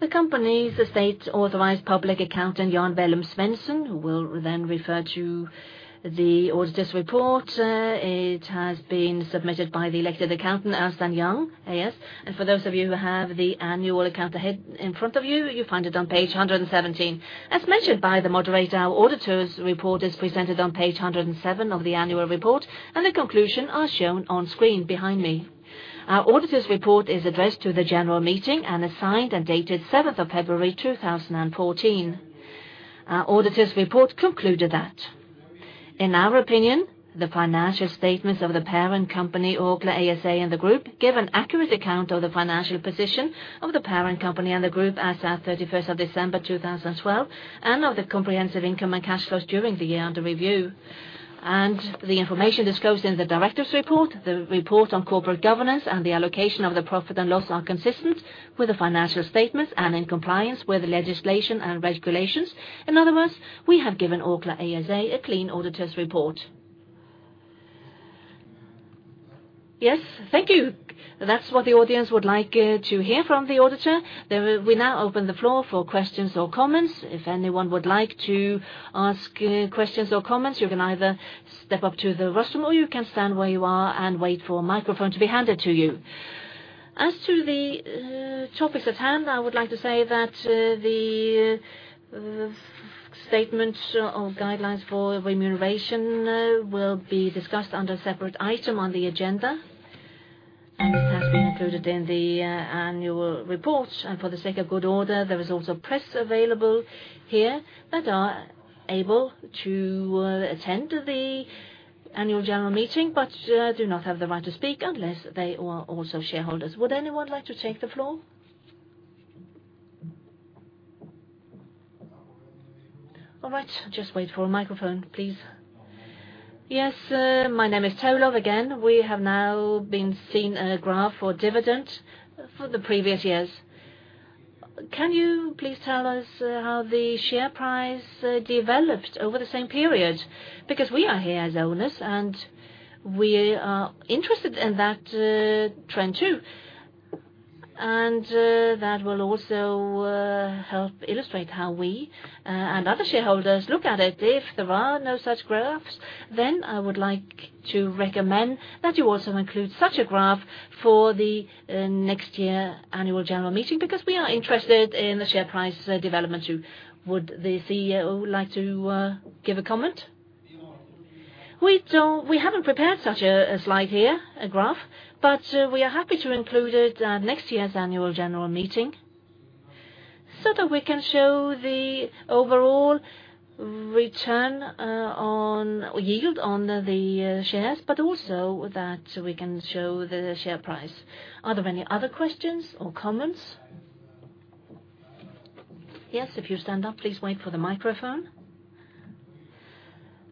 The company's state-authorized public accountant, Jan Egil Svendsen, will then refer to the auditor's report. It has been submitted by the elected accountant, Ernst & Young AS. And for those of you who have the annual account ahead, in front of you, you find it on page 117. As mentioned by the moderator, our auditor's report is presented on page 107 of the annual report, and the conclusion are shown on screen behind me. Our auditor's report is addressed to the general meeting and is signed and dated seventh of February, 2014. Our auditor's report concluded that, in our opinion, the financial statements of the parent company, Orkla ASA, and the group give an accurate account of the financial position of the parent company and the group as at thirty-first of December, 2012, and of the comprehensive income and cash flows during the year under review, and the information disclosed in the directors' report, the report on corporate governance, and the allocation of the profit and loss are consistent with the financial statements and in compliance with the legislation and regulations. In other words, we have given Orkla ASA a clean auditor's report. Yes, thank you. That's what the audience would like to hear from the auditor. We now open the floor for questions or comments. If anyone would like to ask questions or comments, you can either step up to the rostrum, or you can stand where you are and wait for a microphone to be handed to you. As to the topics at hand, I would like to say that the statement of guidelines for remuneration will be discussed under a separate item on the agenda, and it has been included in the annual report. And for the sake of good order, there is also press available here that are able to attend the annual general meeting, but do not have the right to speak unless they are also shareholders. Would anyone like to take the floor? All right, just wait for a microphone, please. Yes, my name is Tollef again. We have now seen a graph for dividend for the previous years. Can you please tell us how the share price developed over the same period? Because we are here as owners, and we are interested in that trend, too, and that will also help illustrate how we and other shareholders look at it. If there are no such graphs, then I would like to recommend that you also include such a graph for the next year annual general meeting, because we are interested in the share price development, too. Would the CEO like to give a comment? We don't, we haven't prepared such a slide here, a graph, but we are happy to include it at next year's annual general meeting, so that we can show the overall return on yield on the shares, but also that we can show the share price. Are there any other questions or comments? Yes, if you stand up, please wait for the microphone.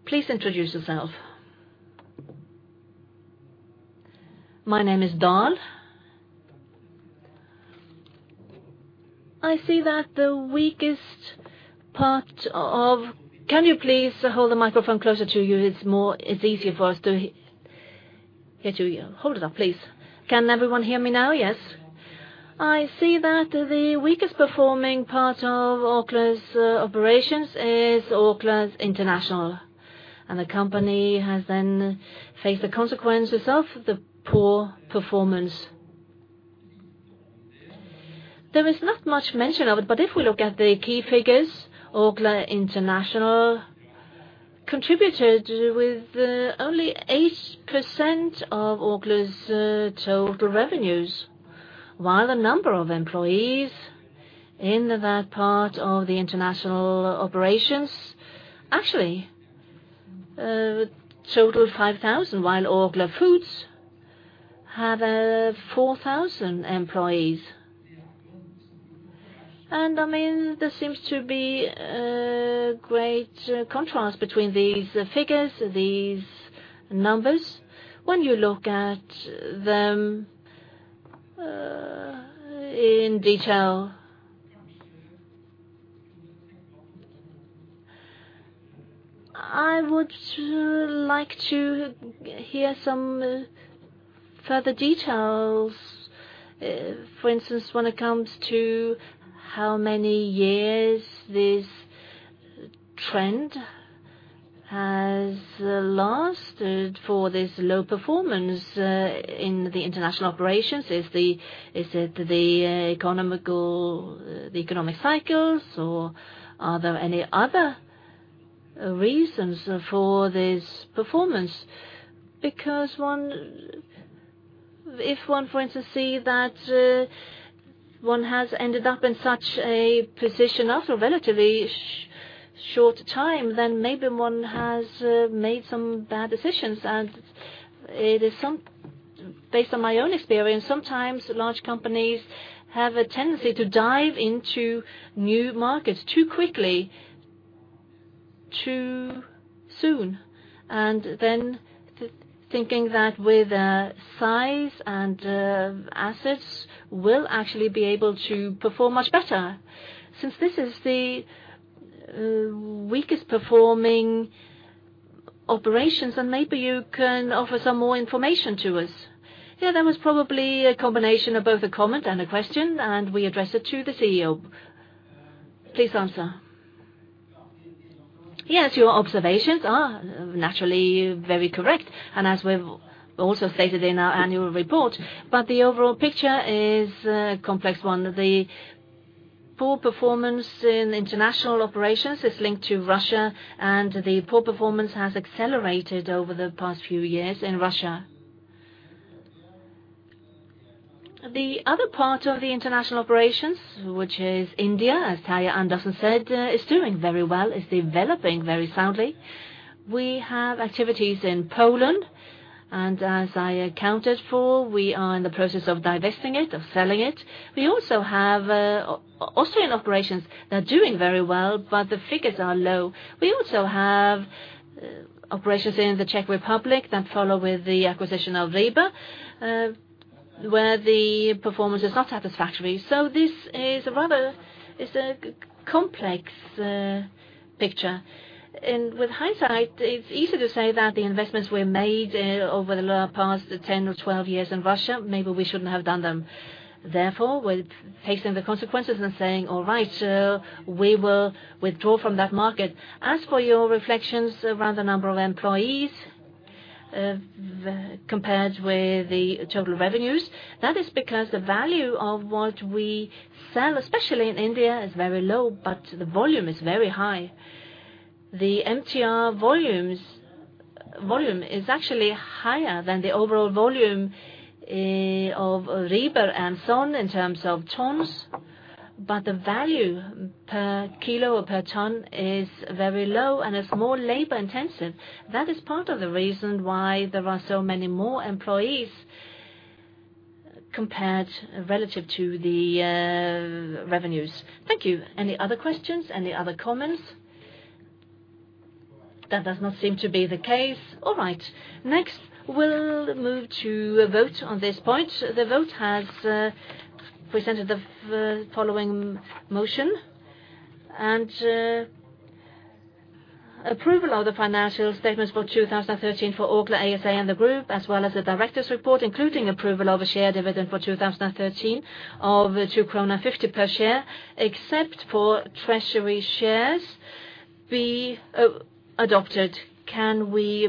Please introduce yourself. My name is Dahl. I see that the weakest part of- Can you please hold the microphone closer to you? It's more-- It's easier for us to hear you. Hold it up, please. Can everyone hear me now? Yes. I see that the weakest performing part of Orkla's operations is Orkla International, and the company has then faced the consequences of the poor performance. There is not much mention of it, but if we look at the key figures, Orkla International contributed with only 8% of Orkla's total revenues, while the number of employees in that part of the international operations actually total 5,000, while Orkla Foods have 4,000 employees. I mean, there seems to be a great contrast between these figures, these numbers, when you look at them in detail. I would like to hear some further details, for instance, when it comes to how many years this trend has lasted for this low performance in the international operations. Is it the economic cycles, or are there any other reasons for this performance? Because if one, for instance, see that one has ended up in such a position after a relatively short time, then maybe one has made some bad decisions. Based on my own experience, sometimes large companies have a tendency to dive into new markets too quickly, too soon, and then thinking that with size and assets will actually be able to perform much better. Since this is the weakest performing operations, then maybe you can offer some more information to us. Yeah, that was probably a combination of both a comment and a question, and we address it to the CEO. Please answer. Yes, your observations are naturally very correct, and as we've also stated in our annual report, but the overall picture is a complex one. The poor performance in international operations is linked to Russia, and the poor performance has accelerated over the past few years in Russia. The other part of the international operations, which is India, as Terje Andersen said, is doing very well, is developing very soundly. We have activities in Poland, and as I accounted for, we are in the process of divesting it, of selling it. We also have Austrian operations that are doing very well, but the figures are low. We also have operations in the Czech Republic that follow with the acquisition of Rieber, where the performance is not satisfactory. So this is rather a complex picture. With hindsight, it's easy to say that the investments were made over the past 10 or 12 years in Russia, maybe we shouldn't have done them. Therefore, we're facing the consequences and saying: "All right, we will withdraw from that market." As for your reflections around the number of employees compared with the total revenues, that is because the value of what we sell, especially in India, is very low, but the volume is very high. The MTR volumes are actually higher than the overall volume of Rieber and so on in terms of tons, but the value per kilo or per ton is very low and it's more labor-intensive. That is part of the reason why there are so many more employees compared relative to the revenues. Thank you. Any other questions? Any other comments? That does not seem to be the case. All right. Next, we'll move to a vote on this point. The vote has presented the following motion, and approval of the financial statements for 2013 for Orkla ASA and the group, as well as the directors' report, including approval of a share dividend for 2013 of 2.50 krone per share, except for treasury shares, be adopted. Can we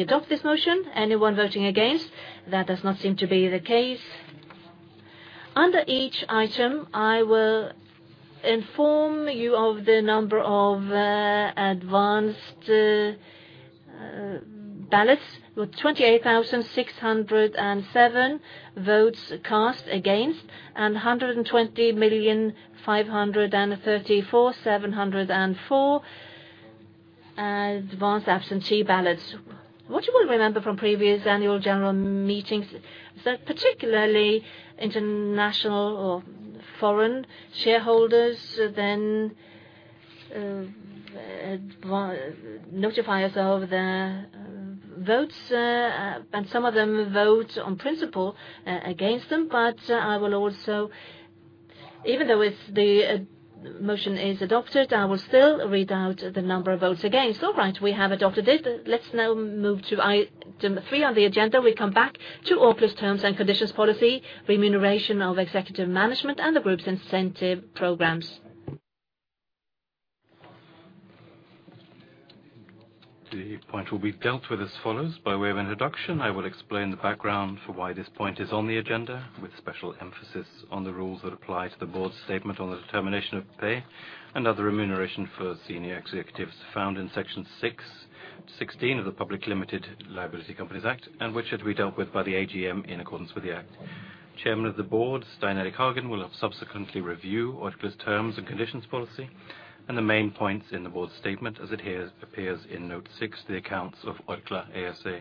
adopt this motion? Anyone voting against? That does not seem to be the case. Under each item, I will inform you of the number of advanced shares. ballots with 28,607 votes cast against, and 120,534,704 advanced absentee ballots. What you will remember from previous annual general meetings, that particularly international or foreign shareholders then notify us of the votes, and some of them vote on principle against them, but I will also even though if the motion is adopted, I will still read out the number of votes against. All right, we have adopted it. Let's now move to item three on the agenda. We come back to Orkla's terms and conditions policy, remuneration of executive management, and the group's incentive programs. The point will be dealt with as follows: By way of introduction, I will explain the background for why this point is on the agenda, with special emphasis on the rules that apply to the board's statement on the determination of pay and other remuneration for senior executives found in Section 6-16 of the Public Limited Liability Companies Act, and which are to be dealt with by the AGM in accordance with the Act. Chairman of the Board, Stein Erik Hagen, will subsequently review Orkla's terms and conditions policy, and the main points in the board's statement, as it here appears in note six, the accounts of Orkla ASA.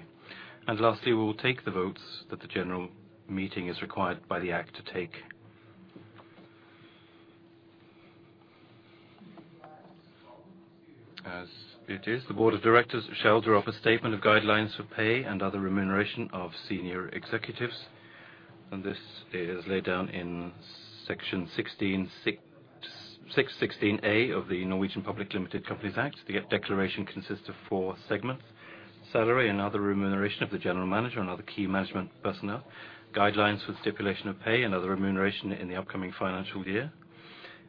And lastly, we will take the votes that the general meeting is required by the Act to take. As it is, the Board of Directors shall draw up a statement of guidelines for pay and other remuneration of senior executives, and this is laid down in Section 6-16a of the Norwegian Public Limited Liability Companies Act. The declaration consists of four segments: salary and other remuneration of the general manager and other key management personnel, guidelines for the stipulation of pay and other remuneration in the upcoming financial year,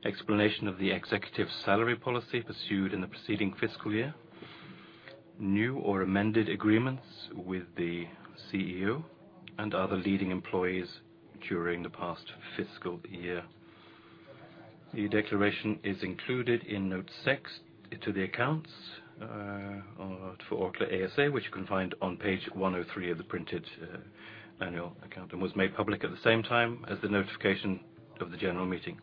explanation of the executive salary policy pursued in the preceding fiscal year, new or amended agreements with the CEO and other leading employees during the past fiscal year. The declaration is included in note 6 to the accounts for Orkla ASA, which you can find on page 103 of the printed annual account, and was made public at the same time as the notification of the general meeting.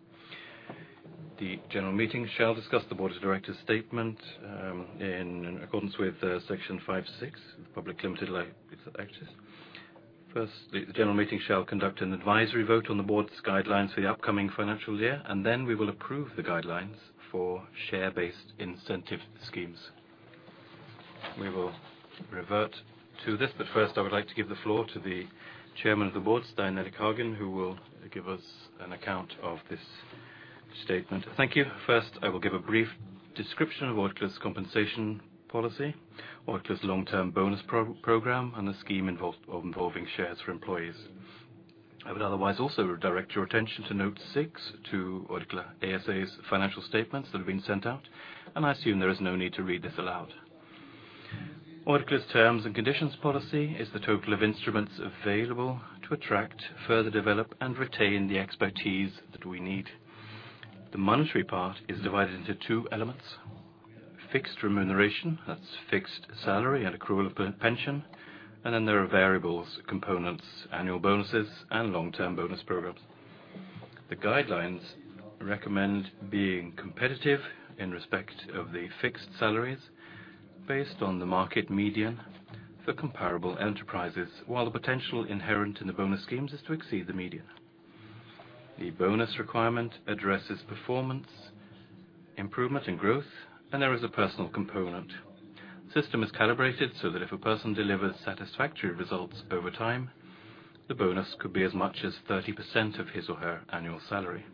The general meeting shall discuss the Board of Directors' statement in accordance with Section 5-6 of the Public Limited Liability Companies Act. First, the general meeting shall conduct an advisory vote on the board's guidelines for the upcoming financial year, and then we will approve the guidelines for share-based incentive schemes. We will revert to this, but first, I would like to give the floor to the Chairman of the Board, Stein Erik Hagen, who will give us an account of this statement. Thank you. First, I will give a brief description of Orkla's compensation policy, Orkla's long-term bonus program, and the scheme involving shares for employees. I would otherwise also direct your attention to note 6 to Orkla ASA's financial statements that have been sent out, and I assume there is no need to read this aloud. Orkla's terms and conditions policy is the total of instruments available to attract, further develop, and retain the expertise that we need. The monetary part is divided into two elements: fixed remuneration, that's fixed salary and accrual of pension, and then there are variable components, annual bonuses, and long-term bonus programs. The guidelines recommend being competitive in respect of the fixed salaries based on the market median for comparable enterprises, while the potential inherent in the bonus schemes is to exceed the median. The bonus requirement addresses performance, improvement, and growth, and there is a personal component. The system is calibrated so that if a person delivers satisfactory results over time, the bonus could be as much as 30% of his or her annual salary,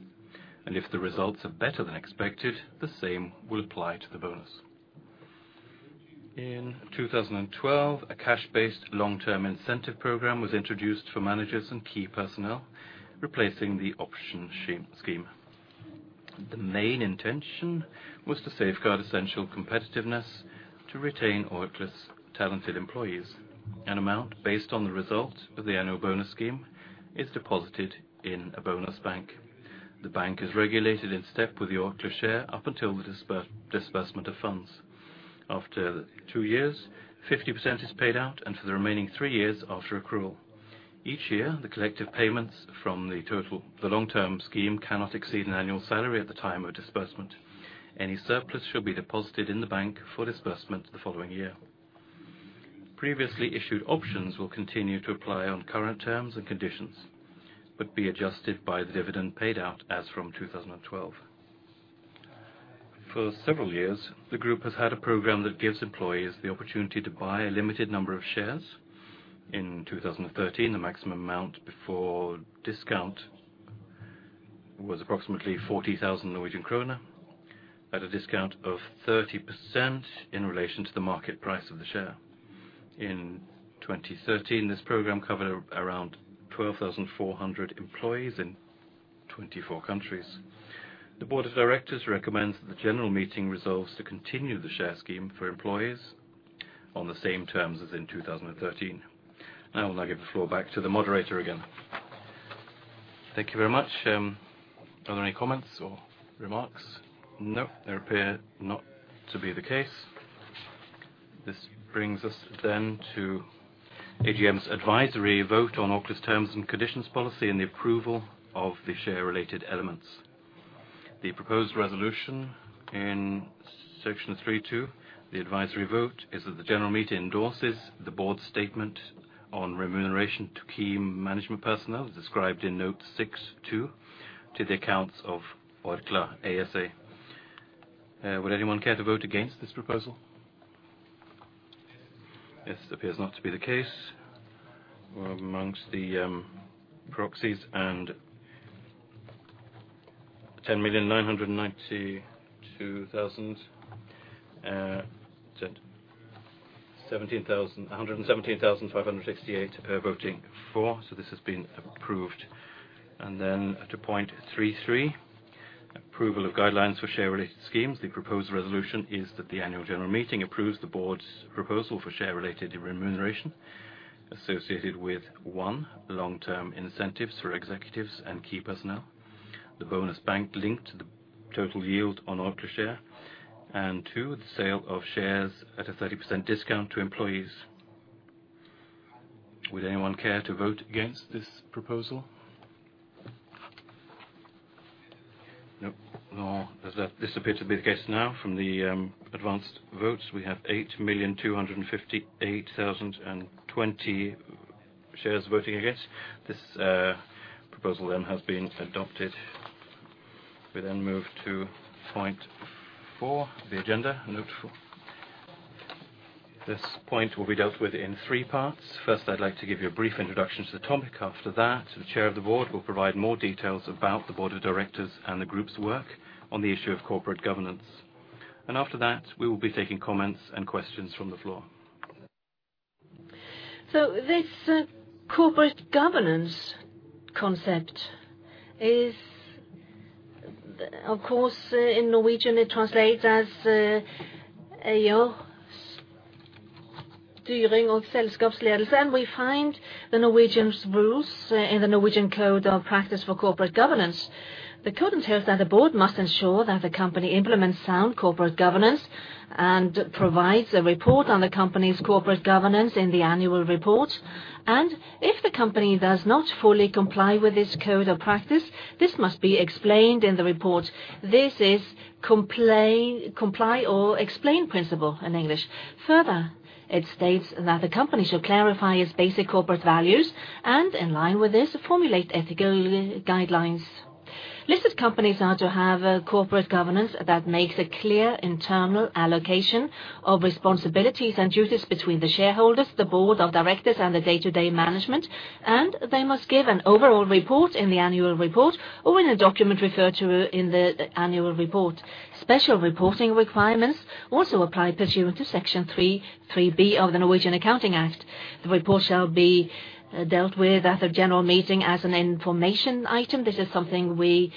and if the results are better than expected, the same will apply to the bonus. In 2012, a cash-based long-term incentive program was introduced for managers and key personnel, replacing the option scheme. The main intention was to safeguard essential competitiveness to retain Orkla's talented employees. An amount based on the result of the annual bonus scheme is deposited in a bonus bank. The bank is regulated in step with the Orkla share up until the disbursement of funds. After two years, 50% is paid out, and for the remaining three years after accrual. Each year, the collective payments from the total. The long-term scheme cannot exceed an annual salary at the time of disbursement. Any surplus shall be deposited in the bank for disbursement the following year. Previously issued options will continue to apply on current terms and conditions, but be adjusted by the dividend paid out as from 2012. For several years, the group has had a program that gives employees the opportunity to buy a limited number of shares. In 2013, the maximum amount before discount was approximately 40,000 Norwegian kroner at a discount of 30% in relation to the market price of the share. In 2013, this program covered around 12,400 employees in 24 countries. The Board of Directors recommends that the general meeting resolves to continue the share scheme for employees on the same terms as in 2013. I will now give the floor back to the moderator again. Thank you very much. Are there any comments or remarks? No, they appear not to be the case. This brings us then to AGM's advisory vote on Orkla's terms and conditions policy, and the approval of the share-related elements. The proposed resolution in section 3-2, the advisory vote, is that the general meeting endorses the board's statement on remuneration to key management personnel, described in note six two to the accounts of Orkla ASA. Would anyone care to vote against this proposal? This appears not to be the case. We're amongst the proxies, and ten million nine hundred and ninety-two thousand one hundred and 17,568 are voting for, so this has been approved. And then to point three three, approval of guidelines for share-related schemes. The proposed resolution is that the annual general meeting approves the board's proposal for share-related remuneration associated with, one, long-term incentives for executives and key personnel, the bonus bank linked to the total yield on Orkla share, and two, the sale of shares at a 30% discount to employees. Would anyone care to vote against this proposal? Nope. Well, this appears to be the case now from the advanced votes. We have 8,258,020 shares voting against. This proposal then has been adopted. We then move to point four, the agenda note four. This point will be dealt with in three parts. First, I'd like to give you a brief introduction to the topic. After that, the Chair of the Board will provide more details about the Board of Directors and the group's work on the issue of corporate governance. And after that, we will be taking comments and questions from the floor. So this corporate governance concept is, of course, in Norwegian, it translates as. And we find the Norwegian rules in the Norwegian Code of Practice for Corporate Governance. The code entails that the board must ensure that the company implements sound corporate governance, and provides a report on the company's corporate governance in the annual report. And if the company does not fully comply with this code of practice, this must be explained in the report. This is comply or explain principle in English. Further, it states that the company should clarify its basic corporate values, and in line with this, formulate ethical guidelines. Listed companies are to have a corporate governance that makes a clear internal allocation of responsibilities and duties between the shareholders, the board of directors, and the day-to-day management, and they must give an overall report in the annual report or in a document referred to in the annual report. Special reporting requirements also apply pursuant to Section 3-3b of the Norwegian Accounting Act. The report shall be dealt with at a general meeting as an information item. This is something we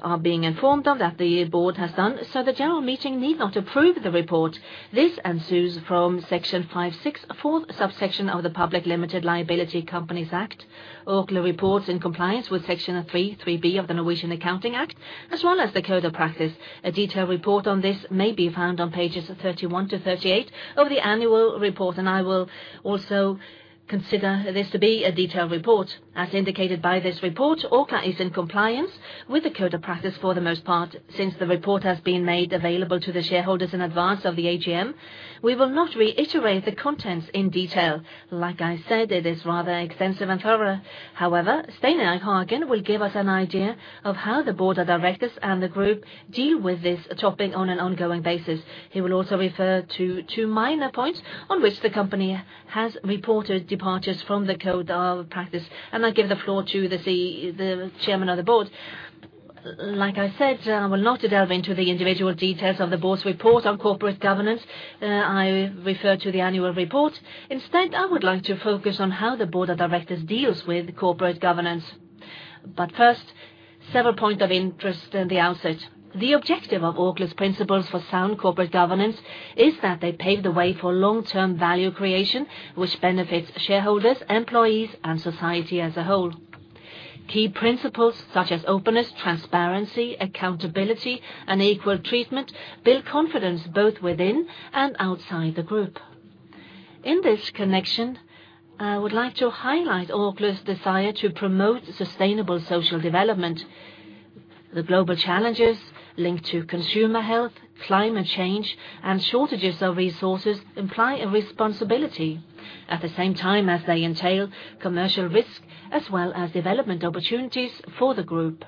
are being informed of, that the board has done, so the general meeting need not approve the report. This ensues from Section 5-6, fourth subsection of the Public Limited Liability Companies Act. Orkla reports in compliance with Section 3-3b of the Norwegian Accounting Act, as well as the code of practice. A detailed report on this may be found on pages thirty-one to thirty-eight of the annual report, and I will also consider this to be a detailed report. As indicated by this report, Orkla is in compliance with the code of practice for the most part. Since the report has been made available to the shareholders in advance of the AGM, we will not reiterate the contents in detail. Like I said, it is rather extensive and thorough. However, Stein Erik Hagen will give us an idea of how the board of directors and the group deal with this topic on an ongoing basis. He will also refer to two minor points on which the company has reported departures from the code of practice. And I give the floor to the chairman of the board. Like I said, I will not delve into the individual details of the Board's report on corporate governance. I refer to the annual report. Instead, I would like to focus on how the Board of Directors deals with corporate governance. But first, several points of interest at the outset. The objective of Orkla's principles for sound corporate governance is that they pave the way for long-term value creation, which benefits shareholders, employees, and society as a whole. Key principles such as openness, transparency, accountability, and equal treatment build confidence both within and outside the group. In this connection, I would like to highlight Orkla's desire to promote sustainable social development. The global challenges linked to consumer health, climate change, and shortages of resources imply a responsibility at the same time as they entail commercial risk, as well as development opportunities for the group.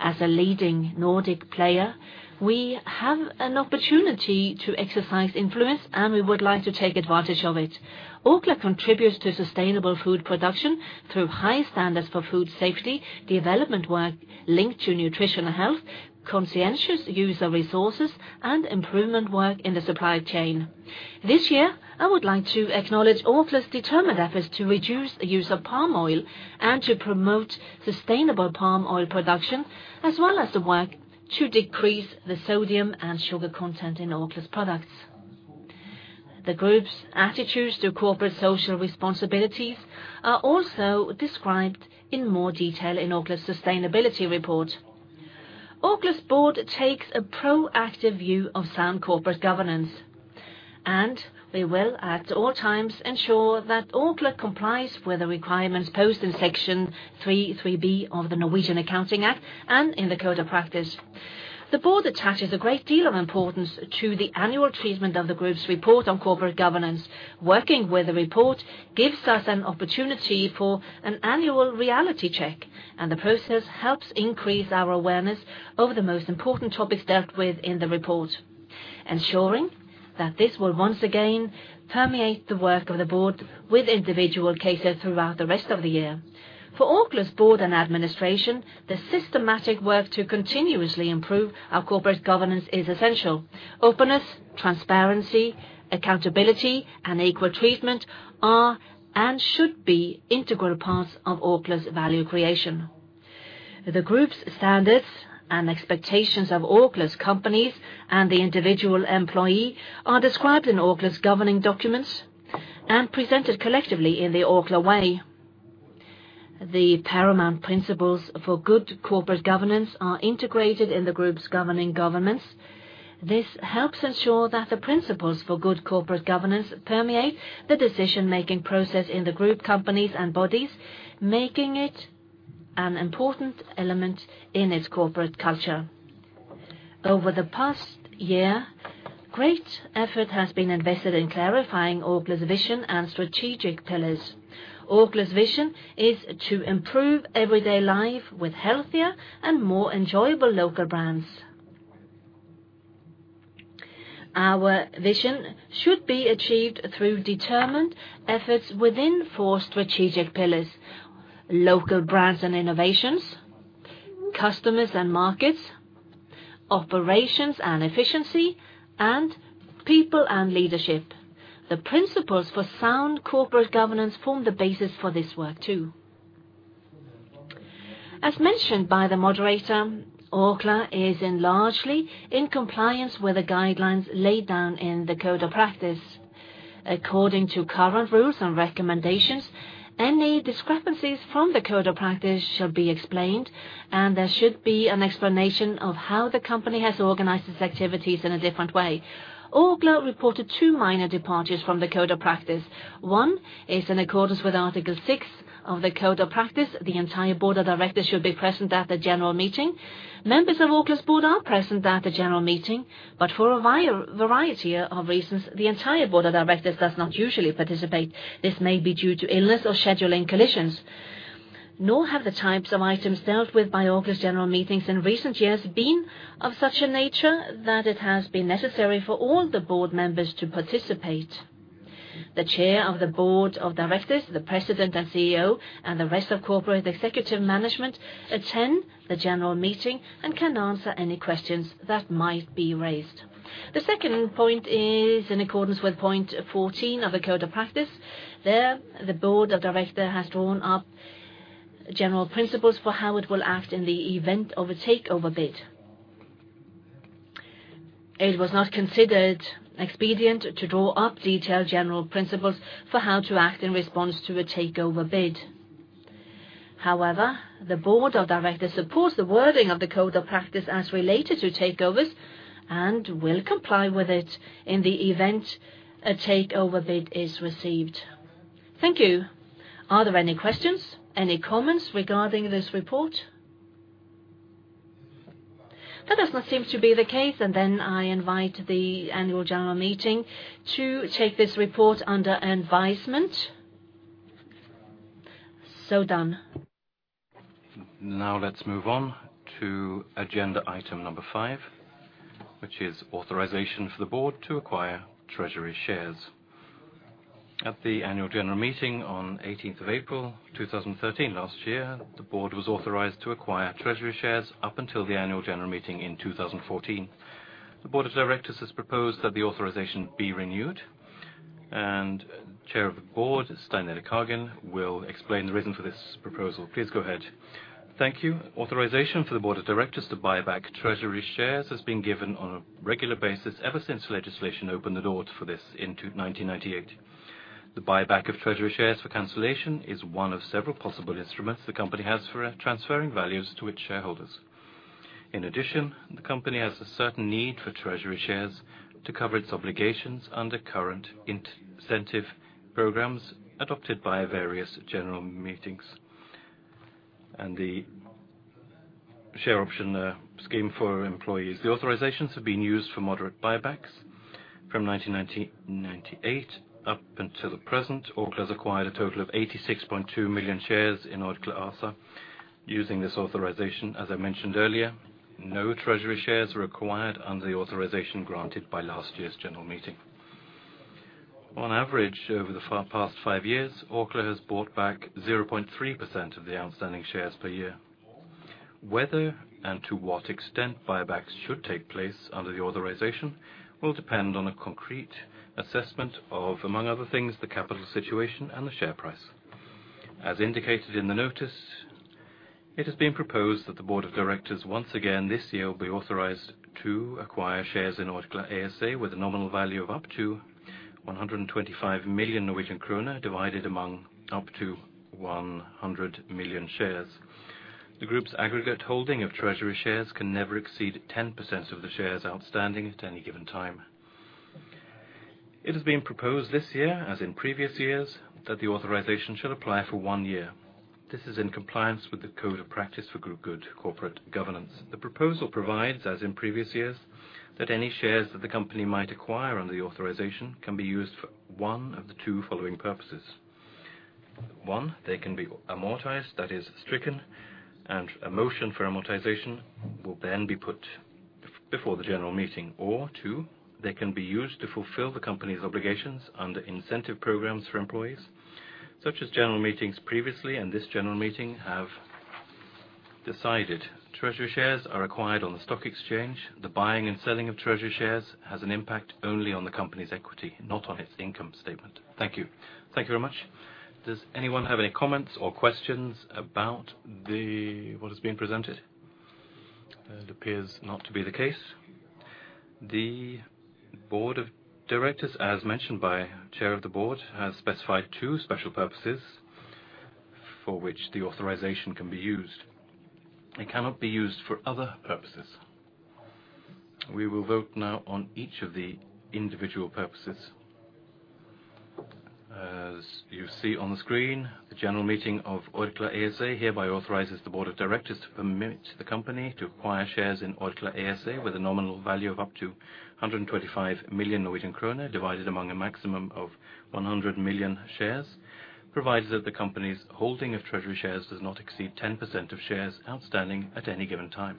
As a leading Nordic player, we have an opportunity to exercise influence, and we would like to take advantage of it. Orkla contributes to sustainable food production through high standards for food safety, development work linked to nutritional health, conscientious use of resources, and improvement work in the supply chain. This year, I would like to acknowledge Orkla's determined efforts to reduce the use of palm oil and to promote sustainable palm oil production, as well as the work to decrease the sodium and sugar content in Orkla's products.... The Group's attitudes to corporate social responsibilities are also described in more detail in Orkla's sustainability report. Orkla's board takes a proactive view of sound corporate governance, and we will, at all times, ensure that Orkla complies with the requirements posed in Section 3-3b of the Norwegian Accounting Act and in the Code of Practice. The board attaches a great deal of importance to the annual treatment of the Group's report on corporate governance. Working with the report gives us an opportunity for an annual reality check, and the process helps increase our awareness over the most important topics dealt with in the report, ensuring that this will once again permeate the work of the board with individual cases throughout the rest of the year. For Orkla's board and administration, the systematic work to continuously improve our corporate governance is essential. Openness, transparency, accountability, and equal treatment are, and should be, integral parts of Orkla's value creation. The Group's standards and expectations of Orkla's companies and the individual employee are described in Orkla's governing documents and presented collectively in the Orkla Way. The paramount principles for good corporate governance are integrated in the Group's governing documents. This helps ensure that the principles for good corporate governance permeate the decision-making process in the group, companies, and bodies, making it an important element in its corporate culture. Over the past year, great effort has been invested in clarifying Orkla's vision and strategic pillars. Orkla's vision is to improve everyday life with healthier and more enjoyable local brands. Our vision should be achieved through determined efforts within four strategic pillars: local brands and innovations, customers and markets, operations and efficiency, and people and leadership. The principles for sound corporate governance form the basis for this work, too. As mentioned by the moderator, Orkla is largely in compliance with the guidelines laid down in the Code of Practice. According to current rules and recommendations, any discrepancies from the Code of Practice shall be explained, and there should be an explanation of how the company has organized its activities in a different way. Orkla reported two minor departures from the Code of Practice. One is in accordance with Article six of the Code of Practice. The entire Board of Directors should be present at the general meeting. Members of Orkla's board are present at the general meeting, but for a variety of reasons, the entire Board of Directors does not usually participate. This may be due to illness or scheduling collisions, nor have the types of items dealt with by Orkla's general meetings in recent years been of such a nature that it has been necessary for all the board members to participate. The Chair of the Board of Directors, the President and CEO, and the rest of corporate executive management attend the general meeting and can answer any questions that might be raised. The second point is in accordance with point 14 of the Code of Practice. There, the Board of Directors has drawn up general principles for how it will act in the event of a takeover bid. It was not considered expedient to draw up detailed general principles for how to act in response to a takeover bid. However, the Board of Directors supports the wording of the Code of Practice as related to takeovers and will comply with it in the event a takeover bid is received. Thank you. Are there any questions, any comments regarding this report? That does not seem to be the case, and then I invite the Annual General Meeting to take this report under advisement. So done. Now, let's move on to agenda item number five, which is authorization for the Board of Directors to acquire treasury shares. At the annual general meeting on eighteenth of April, 2013 last year, the board was authorized to acquire treasury shares up until the annual general meeting in 2014. The Board of Directors has proposed that the authorization be renewed, and Chair of the Board, Stein Erik Hagen, will explain the reason for this proposal. Please go ahead. Thank you. Authorization for the Board of Directors to buy back treasury shares has been given on a regular basis ever since legislation opened the doors for this in nineteen ninety-eight. The buyback of treasury shares for cancellation is one of several possible instruments the company has for transferring values to its shareholders. In addition, the company has a certain need for treasury shares to cover its obligations under current incentive programs adopted by various general meetings and the share option scheme for employees. The authorizations have been used for moderate buybacks. From nineteen ninety-eight up until the present, Orkla has acquired a total of 86.2 million shares in Orkla ASA using this authorization. As I mentioned earlier, no treasury shares were acquired under the authorization granted by last year's general meeting. On average, over the past five years, Orkla has bought back 0.3% of the outstanding shares per year. Whether and to what extent buybacks should take place under the authorization will depend on a concrete assessment of, among other things, the capital situation and the share price. As indicated in the notice. It has been proposed that the board of directors, once again this year, will be authorized to acquire shares in Orkla ASA with a nominal value of up to 125 million Norwegian kroner, divided among up to 100 million shares. The group's aggregate holding of treasury shares can never exceed 10% of the shares outstanding at any given time. It has been proposed this year, as in previous years, that the authorization shall apply for one year. This is in compliance with the Code of Practice for Corporate Governance. The proposal provides, as in previous years, that any shares that the company might acquire under the authorization can be used for one of the two following purposes: One, they can be amortized, that is stricken, and a motion for amortization will then be put before the general meeting. Or two, they can be used to fulfill the company's obligations under incentive programs for employees, such as general meetings previously, and this general meeting have decided treasury shares are acquired on the stock exchange. The buying and selling of treasury shares has an impact only on the company's equity, not on its income statement. Thank you. Thank you very much. Does anyone have any comments or questions about the, what has been presented? It appears not to be the case. The Board of Directors, as mentioned by Chair of the Board, has specified two special purposes for which the authorization can be used. It cannot be used for other purposes. We will vote now on each of the individual purposes. As you see on the screen, the general meeting of Orkla ASA hereby authorizes the Board of Directors to permit the company to acquire shares in Orkla ASA with a nominal value of up to 125 million Norwegian krone, divided among a maximum of 100 million shares, provided that the company's holding of treasury shares does not exceed 10% of shares outstanding at any given time.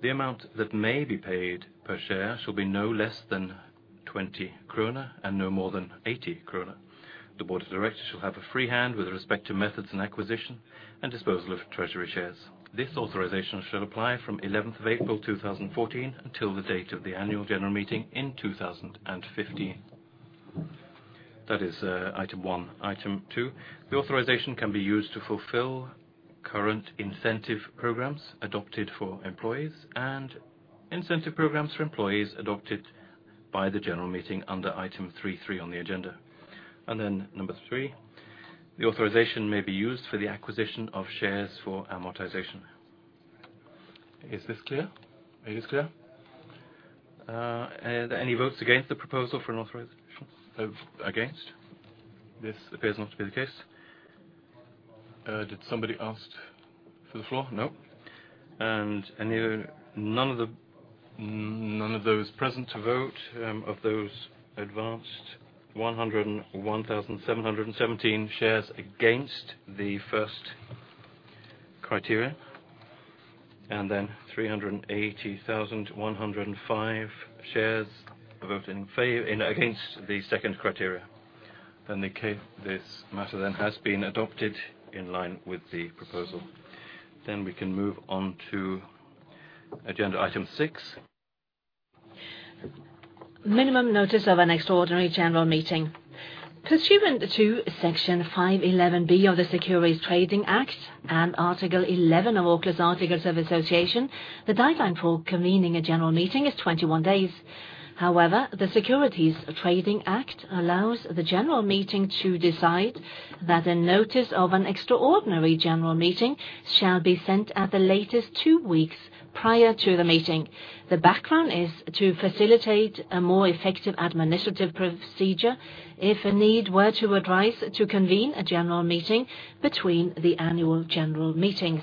The amount that may be paid per share shall be no less than 20 kroner and no more than 80 kroner. The Board of Directors shall have a free hand with respect to methods and acquisition and disposal of treasury shares. This authorization shall apply from eleventh of April, 2014, until the date of the Annual General Meeting in 2015. That is, item one. Item two, the authorization can be used to fulfill current incentive programs adopted for employees and incentive programs for employees adopted by the general meeting under item three three on the agenda. And then number three, the authorization may be used for the acquisition of shares for amortization. Is this clear? Are there any votes against the proposal for an authorization against? This appears not to be the case. Did somebody ask for the floor? No. None of those present to vote, of those advanced 101,717 shares against the first criteria, and then 380,105 shares voted in favor in against the second criteria. This matter then has been adopted in line with the proposal. Then we can move on to agenda item six. Minimum notice of an extraordinary general meeting. Pursuant to Section 5-11b of the Securities Trading Act and Article 11 of Orkla's Articles of Association, the deadline for convening a general meeting is 21 days. However, the Securities Trading Act allows the general meeting to decide that a notice of an extraordinary general meeting shall be sent at the latest two weeks prior to the meeting. The background is to facilitate a more effective administrative procedure if a need were to arise to convene a general meeting between the annual general meetings.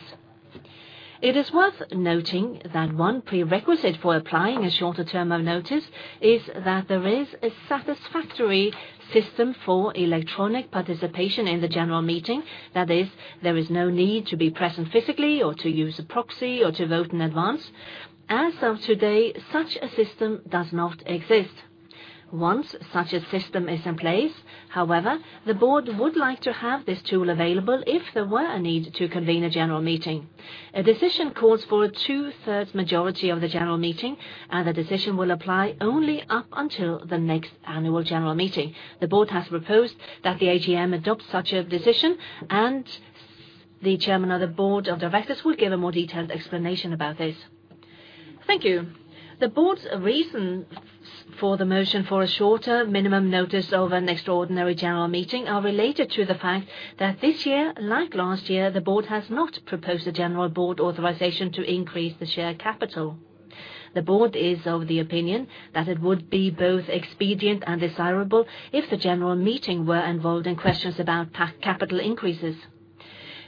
It is worth noting that one prerequisite for applying a shorter term of notice is that there is a satisfactory system for electronic participation in the general meeting. That is, there is no need to be present physically or to use a proxy or to vote in advance. As of today, such a system does not exist. Once such a system is in place, however, the board would like to have this tool available if there were a need to convene a general meeting. A decision calls for a two-thirds majority of the general meeting, and the decision will apply only up until the next annual general meeting. The board has proposed that the AGM adopt such a decision, and the Chairman of the Board of Directors will give a more detailed explanation about this. Thank you. The board's reasons for the motion for a shorter minimum notice of an extraordinary general meeting are related to the fact that this year, like last year, the board has not proposed a general board authorization to increase the share capital. The board is of the opinion that it would be both expedient and desirable if the general meeting were involved in questions about share capital increases.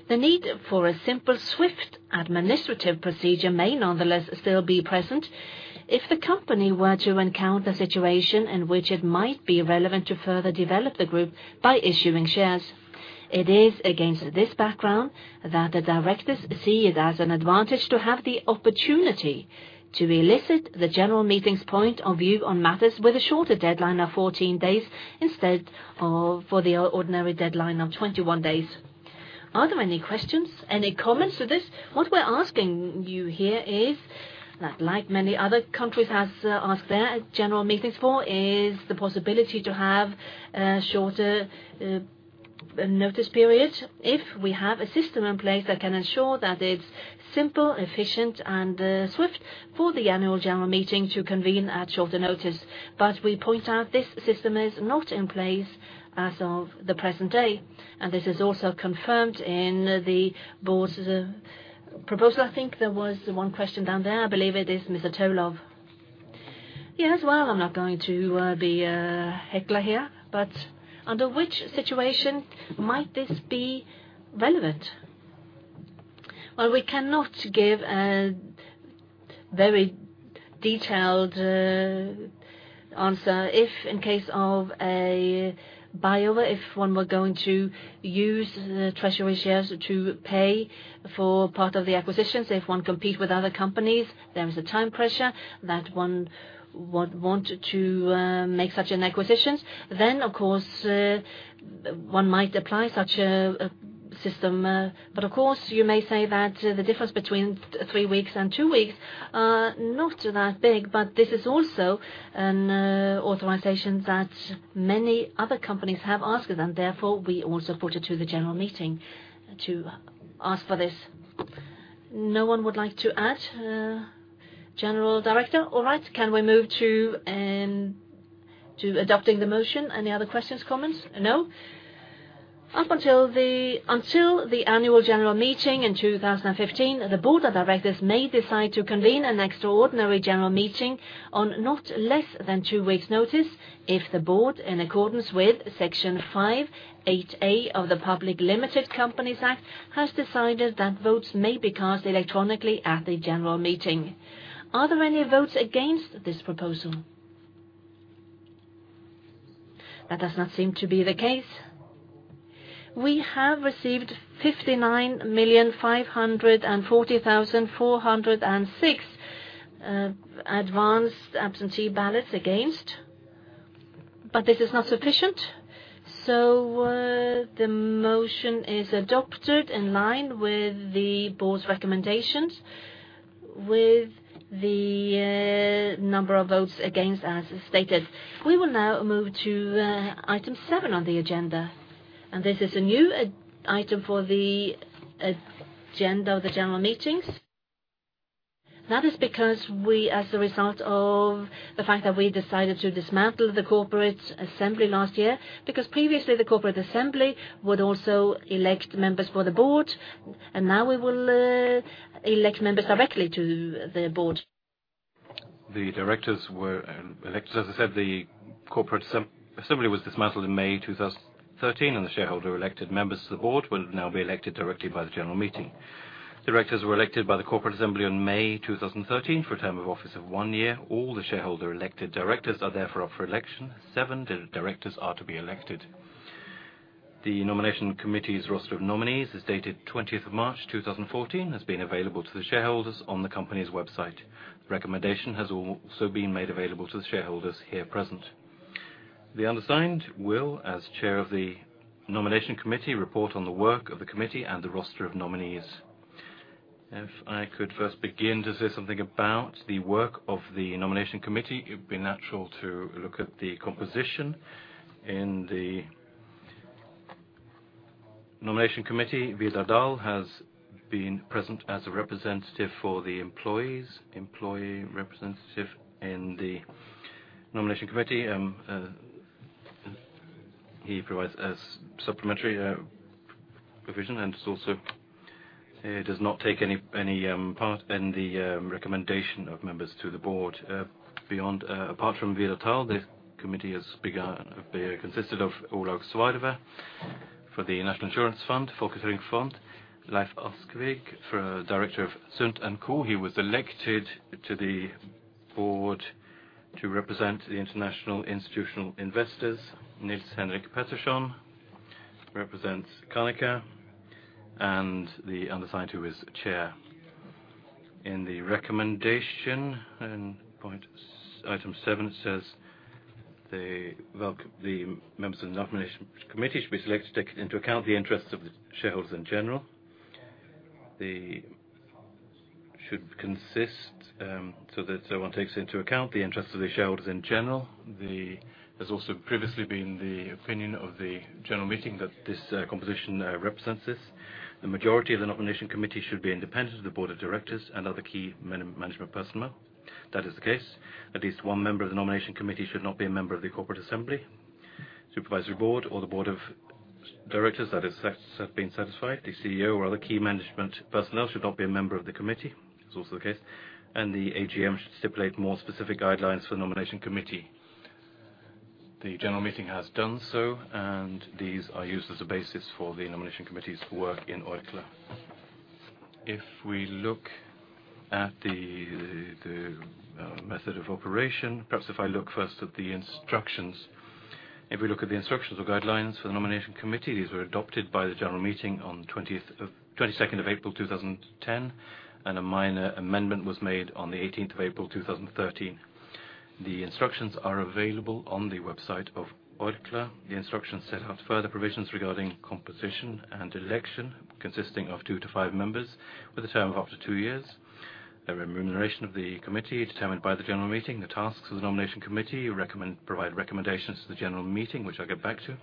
The need for a simple, swift administrative procedure may nonetheless still be present if the company were to encounter a situation in which it might be relevant to further develop the group by issuing shares. It is against this background that the directors see it as an advantage to have the opportunity to elicit the general meeting's point of view on matters with a shorter deadline of 14 days, instead of for the ordinary deadline of 21 days. Are there any questions, any comments to this? What we're asking you here is... that like many other countries has asked their general meetings for is the possibility to have a shorter notice period. If we have a system in place that can ensure that it's simple, efficient, and swift for the annual general meeting to convene at shorter notice. But we point out this system is not in place as of the present day, and this is also confirmed in the board's proposal. I think there was one question down there. I believe it is Mr. Tollef. Yes, well, I'm not going to be a heckler here, but under which situation might this be relevant? Well, we cannot give a very detailed answer. If in case of a takeover, if one were going to use the treasury shares to pay for part of the acquisitions, if one compete with other companies, there is a time pressure that one would want to make such an acquisitions, then, of course, one might apply such a system. But of course, you may say that the difference between three weeks and two weeks are not that big, but this is also an authorization that many other companies have asked, and therefore, we also put it to the general meeting to ask for this. No one would like to add, general director? All right, can we move to adopting the motion? Any other questions, comments? No. Up until the annual general meeting in 2015, the Board of Directors may decide to convene an extraordinary general meeting on not less than two weeks' notice if the board, in accordance with Section 5-8a of the Public Limited Liability Companies Act, has decided that votes may be cast electronically at the general meeting. Are there any votes against this proposal? That does not seem to be the case. We have received 59,540,406 advanced absentee ballots against, but this is not sufficient. So, the motion is adopted in line with the board's recommendations, with the number of votes against, as is stated. We will now move to item seven on the agenda, and this is a new item for the agenda of the general meetings. That is because we, as a result of the fact that we decided to dismantle the Corporate Assembly last year, because previously, the Corporate Assembly would also elect members for the board, and now we will elect members directly to the board. The Directors were elected. As I said, the Corporate Assembly was dismantled in May 2013, and the shareholder-elected members of the Board will now be elected directly by the general meeting. Directors were elected by the Corporate Assembly on May 2013 for a term of office of one year. All the shareholder-elected Directors are therefore up for election. Seven Directors are to be elected. The Nomination Committee's roster of nominees is dated 20th of March, 2014. It has been available to the shareholders on the company's website. The recommendation has also been made available to the shareholders here present. The undersigned will, as Chair of the Nomination Committee, report on the work of the committee and the roster of nominees. If I could first begin to say something about the work of the Nomination Committee, it would be natural to look at the composition. In the Nomination Committee, Vidar Dahl has been present as a representative for the employees, employee representative in the Nomination Committee. He provides as supplementary provision, and it's also. He does not take any part in the recommendation of members to the board. Beyond. Apart from Vidar Dahl, this committee has consisted of Ola Svarva for the National Insurance Fund, Folketrygdfondet, Leiv Askvig for Director of Sundt AS. He was elected to the board to represent the international institutional investors. Nils-Henrik Pettersson represents Canica, and the undersigned, who is Chair. In the recommendation, in item seven, it says, "The members of the Nomination Committee should be selected, taking into account the interests of the shareholders in general. Should consist, so that one takes into account the interests of the shareholders in general. There's also previously been the opinion of the general meeting that this composition represents this. The majority of the Nomination Committee should be independent of the Board of Directors and other key management personnel. That is the case. At least one member of the Nomination Committee should not be a member of the Corporate Assembly, supervisory board, or the Board of Directors. That has been satisfied. The CEO or other key management personnel should not be a member of the committee. That's also the case, and the AGM should stipulate more specific guidelines for the Nomination Committee. The general meeting has done so, and these are used as a basis for the Nomination Committee's work in Orkla. If we look at the method of operation, perhaps if I look first at the instructions. If we look at the instructions or guidelines for the Nomination Committee, these were adopted by the general meeting on 20th of-- 22 of April, 2010, and a minor amendment was made on the eighteenth of April, 2013. The instructions are available on the website of Orkla. The instructions set out further provisions regarding composition and election, consisting of two to five members, with a term of up to two years. A remuneration of the committee determined by the general meeting. The tasks of the nomination committee recommend-- provide recommendations to the general meeting, which I'll get back to.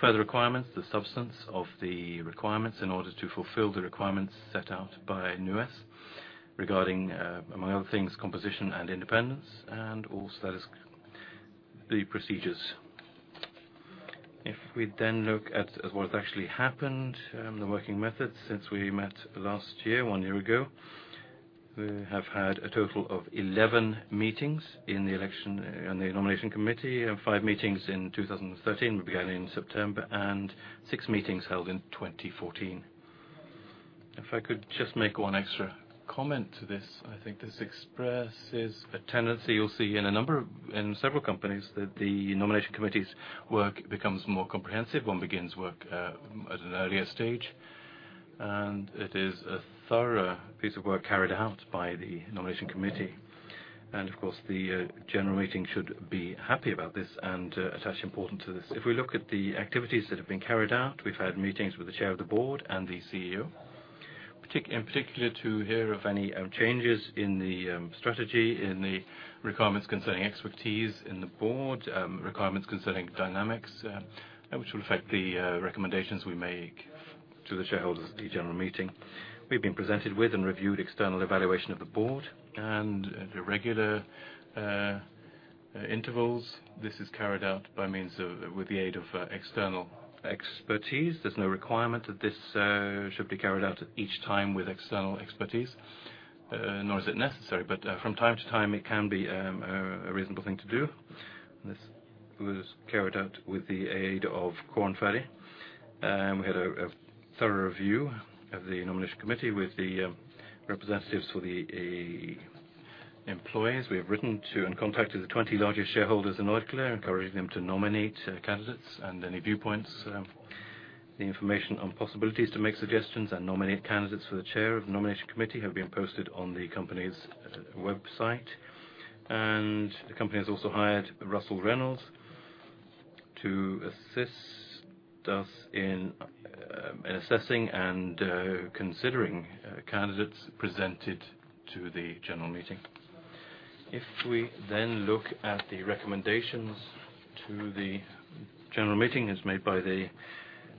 Further requirements, the substance of the requirements in order to fulfill the requirements set out by NUES, regarding, among other things, composition and independence, and all status, the procedures. If we then look at what actually happened, the working methods since we met last year, one year ago, we have had a total of 11 meetings in the election, in the nomination committee, and five meetings in 2013, beginning in September, and six meetings held in 2014. If I could just make one extra comment to this, I think this expresses a tendency you'll see in several companies, that the nomination committee's work becomes more comprehensive. One begins work at an earlier stage, and it is a thorough piece of work carried out by the nomination committee. Of course, the general meeting should be happy about this and attach importance to this. If we look at the activities that have been carried out, we've had meetings with the chair of the board and the CEO, in particular, to hear of any changes in the strategy, in the requirements concerning expertise in the board, requirements concerning dynamics, which will affect the recommendations we make to the shareholders at the general meeting. We've been presented with and reviewed external evaluation of the board and at regular intervals. This is carried out by means of, with the aid of, external expertise. There's no requirement that this should be carried out at each time with external expertise, nor is it necessary, but from time to time, it can be a reasonable thing to do. This was carried out with the aid of Korn Ferry. We had a thorough review of the Nomination Committee with the representatives for the employees. We have written to and contacted the 20 largest shareholders in Orkla, encouraging them to nominate candidates and any viewpoints. The information on possibilities to make suggestions and nominate candidates for the chair of Nomination Committee have been posted on the company's website, and the company has also hired Russell Reynolds to assist us in assessing and considering candidates presented to the general meeting. If we then look at the recommendations to the general meeting, as made by the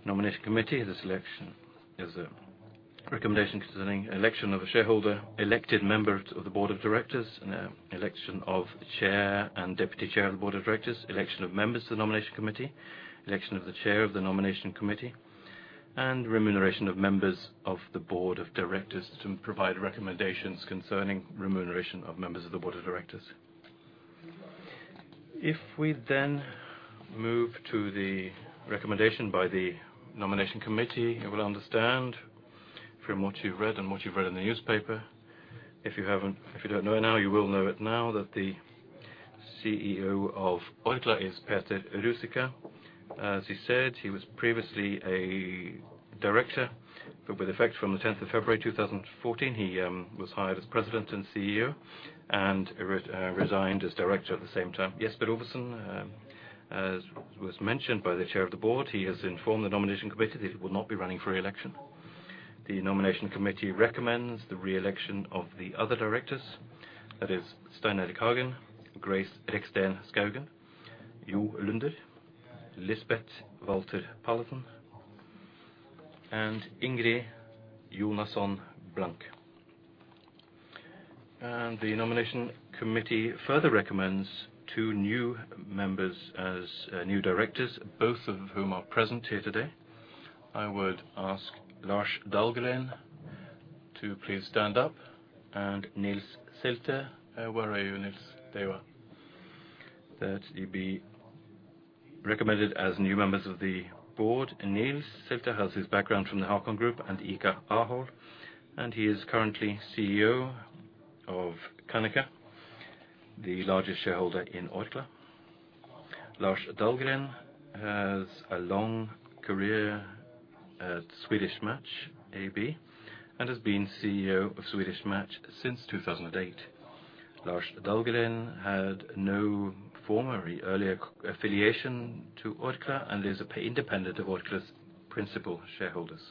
Nomination Committee, this election is a recommendation concerning election of a shareholder, elected members of the Board of Directors, and election of the chair and deputy chair of the Board of Directors, election of members of the Nomination Committee, election of the chair of the Nomination Committee, and remuneration of members of the Board of Directors to provide recommendations concerning remuneration of members of the Board of Directors. If we then move to the recommendation by the Nomination Committee, you will understand from what you've read and what you've read in the newspaper, if you haven't, if you don't know it now, you will know it now, that the CEO of Orkla is Peter Ruzicka. As he said, he was previously a director, but with effect from the 10th of February, 2014, he was hired as President and CEO and resigned as director at the same time. Jesper Ovesen, as was mentioned by the Chair of the Board, he has informed the Nomination Committee that he will not be running for re-election. The Nomination Committee recommends the re-election of the other directors. That is Stein Erik Hagen, Grace Reksten Skaugen, Jo Lunder, Lisbeth Valther Pallesen, and Ingrid Jonasson Blank. The Nomination Committee further recommends two new members as new directors, both of whom are present here today. I would ask Lars Dahlgren to please stand up, and Nils Selte. Where are you, Nils? There you are. That you be recommended as new members of the board. Nils Selte has his background from the Hakon Group and ICA Ahold, and he is currently CEO of Canica, the largest shareholder in Orkla. Lars Dahlgren has a long career at Swedish Match AB, and has been CEO of Swedish Match since 2008. Lars Dahlgren had no former earlier affiliation to Orkla and is independent of Orkla's principal shareholders.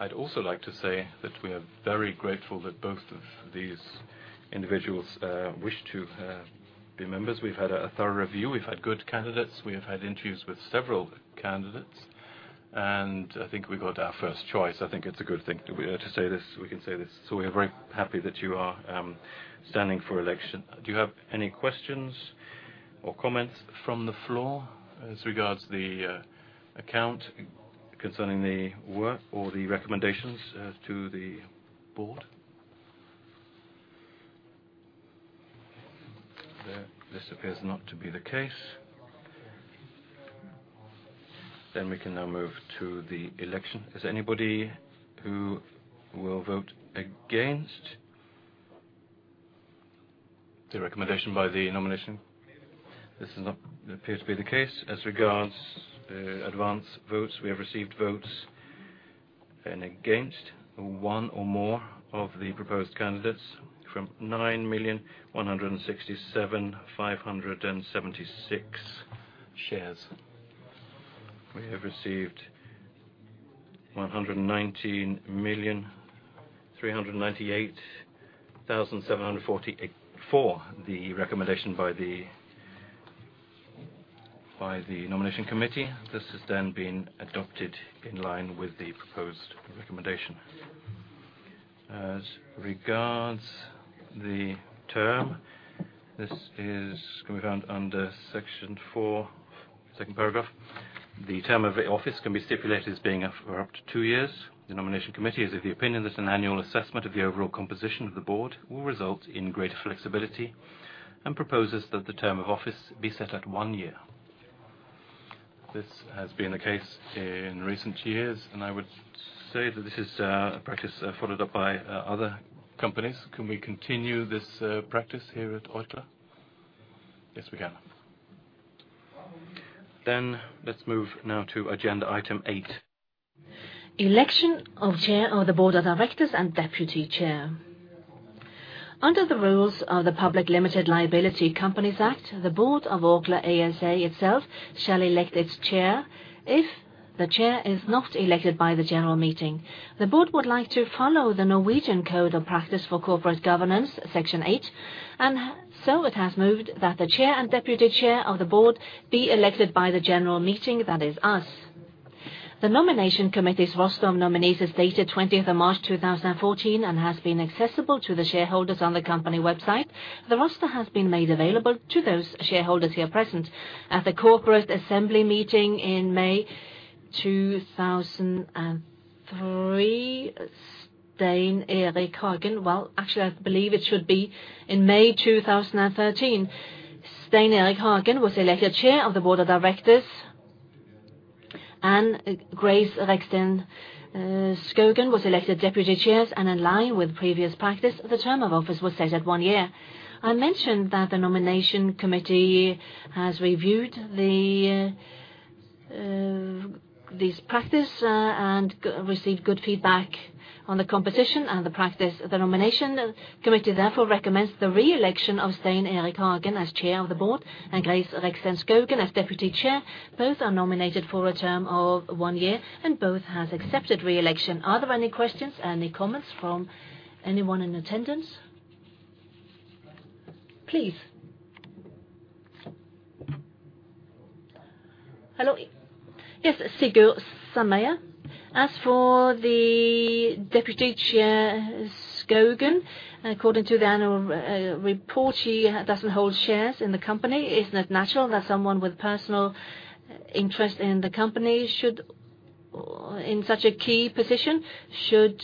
I'd also like to say that we are very grateful that both of these individuals wish to be members. We've had a thorough review. We've had good candidates. We have had interviews with several candidates, and I think we got our first choice. I think it's a good thing that we are to say this, we can say this, so we are very happy that you are standing for election. Do you have any questions or comments from the floor as regards the account concerning the work or the recommendations to the board? There, this appears not to be the case. Then we can now move to the election. Is there anybody who will vote against the recommendation by the Nomination Committee? This does not appear to be the case. As regards advance votes, we have received votes and against one or more of the proposed candidates from nine million, one hundred and sixty-seven, five hundred and seventy-six shares. We have received 119,398,748 for the recommendation by the Nomination Committee. This has then been adopted in line with the proposed recommendation. As regards the term, this can be found under Section 4, second paragraph. The term of the office can be stipulated as being for up to two years. The Nomination Committee is of the opinion that an annual assessment of the overall composition of the Board will result in greater flexibility, and proposes that the term of office be set at one year. This has been the case in recent years, and I would say that this is a practice followed up by other companies. Can we continue this practice here at Orkla? Yes, we can. Then let's move now to agenda item eight. Election of Chair of the Board of Directors and Deputy Chair. Under the rules of the Public Limited Liability Companies Act, the board of Orkla ASA itself shall elect its chair, if the chair is not elected by the general meeting. The board would like to follow the Norwegian Code of Practice for Corporate Governance, Section 8, and so it has moved that the chair and deputy chair of the board be elected by the general meeting, that is us. The Nomination Committee's roster of nominees is dated 20th of March, 2014, and has been accessible to the shareholders on the company website. The roster has been made available to those shareholders here present. At the Corporate Assembly meeting in May 2003, Stein Erik Hagen... Well, actually, I believe it should be in May 2013. Stein Erik Hagen was elected chair of the board of directors, and Grace Reksten Skaugen was elected deputy chair, and in line with previous practice, the term of office was set at one year. I mentioned that the nomination committee has reviewed this practice and received good feedback on the composition and the practice. The nomination committee therefore recommends the re-election of Stein Erik Hagen as chair of the board and Grace Reksten Skaugen as deputy chair. Both are nominated for a term of one year, and both has accepted re-election. Are there any questions, any comments from anyone in attendance? Please. Hello. Yes, Sigurd Sæther. As for the Deputy Chair, Skaugen, according to the annual report, she doesn't hold shares in the company. Isn't it natural that someone with personal interest in the company should, in such a key position, should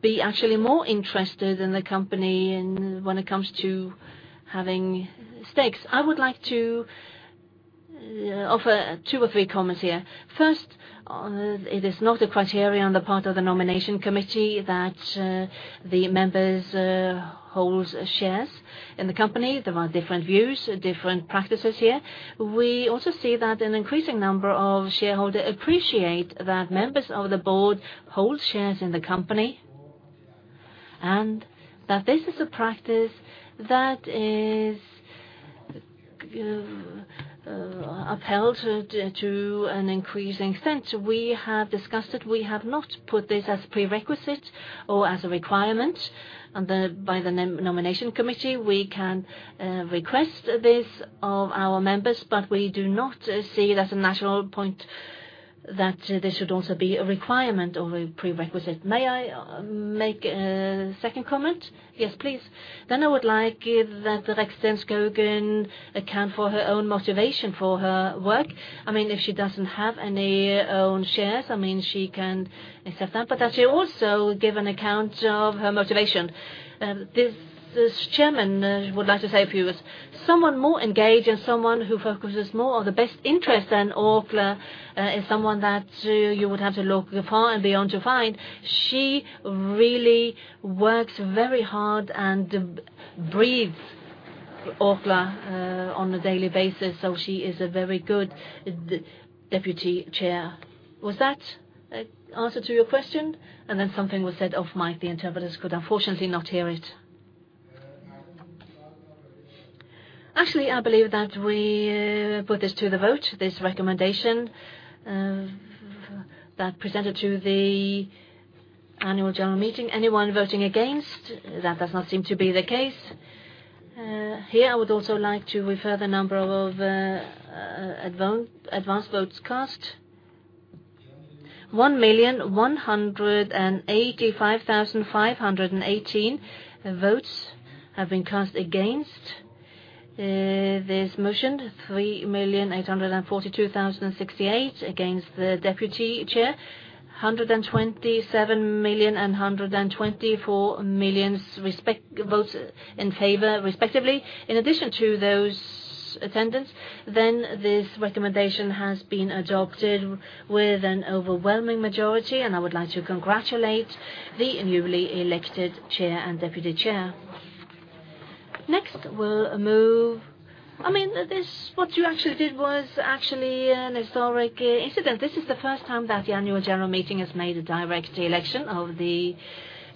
be actually more interested in the company and when it comes to having stakes? I would like to offer two or three comments here. First, it is not a criterion on the part of the nomination committee that the members holds shares in the company. There are different views, different practices here. We also see that an increasing number of shareholders appreciate that members of the board hold shares in the company, and that this is a practice that is upheld to an increasing extent. We have discussed it. We have not put this as prerequisite or as a requirement by the nomination committee. We can request this of our members, but we do not see it as a natural point that this should also be a requirement or a prerequisite. May I make a second comment? Yes, please. Then I would like that Reksten Skaugen account for her own motivation for her work. I mean, if she doesn't have any own shares, I mean, she can accept that, but that she also give an account of her motivation. This, as Chairman, I would like to say a few words. Someone more engaged and someone who focuses more on the best interest in Orkla is someone that you would have to look far and beyond to find. She really works very hard and breathes Orkla on a daily basis, so she is a very good deputy chair. Was that an answer to your question? And then something was said off mic. The interpreters could unfortunately not hear it. Actually, I believe that we put this to the vote, this recommendation that presented to the annual general meeting. Anyone voting against? That does not seem to be the case. Here, I would also like to refer to the number of advance votes cast. 1,185,518 votes have been cast against this motion. 3,842,068 against the deputy chair. 127 million and 124 million votes in favor, respectively. In addition to those attendants, then this recommendation has been adopted with an overwhelming majority, and I would like to congratulate the newly elected chair and deputy chair. Next, I mean, this, what you actually did was actually an historic incident. This is the first time that the Annual General Meeting has made a direct election of the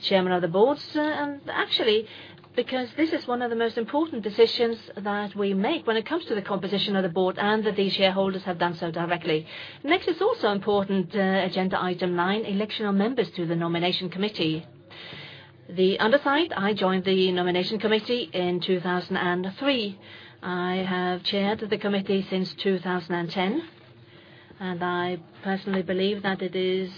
chairman of the Board, and actually, because this is one of the most important decisions that we make when it comes to the composition of the board, and that the shareholders have done so directly. Next is also important, agenda item nine, election of members to the Nomination Committee. The undersigned, I joined the Nomination Committee in 2003. I have chaired the committee since 2010, and I personally believe that it is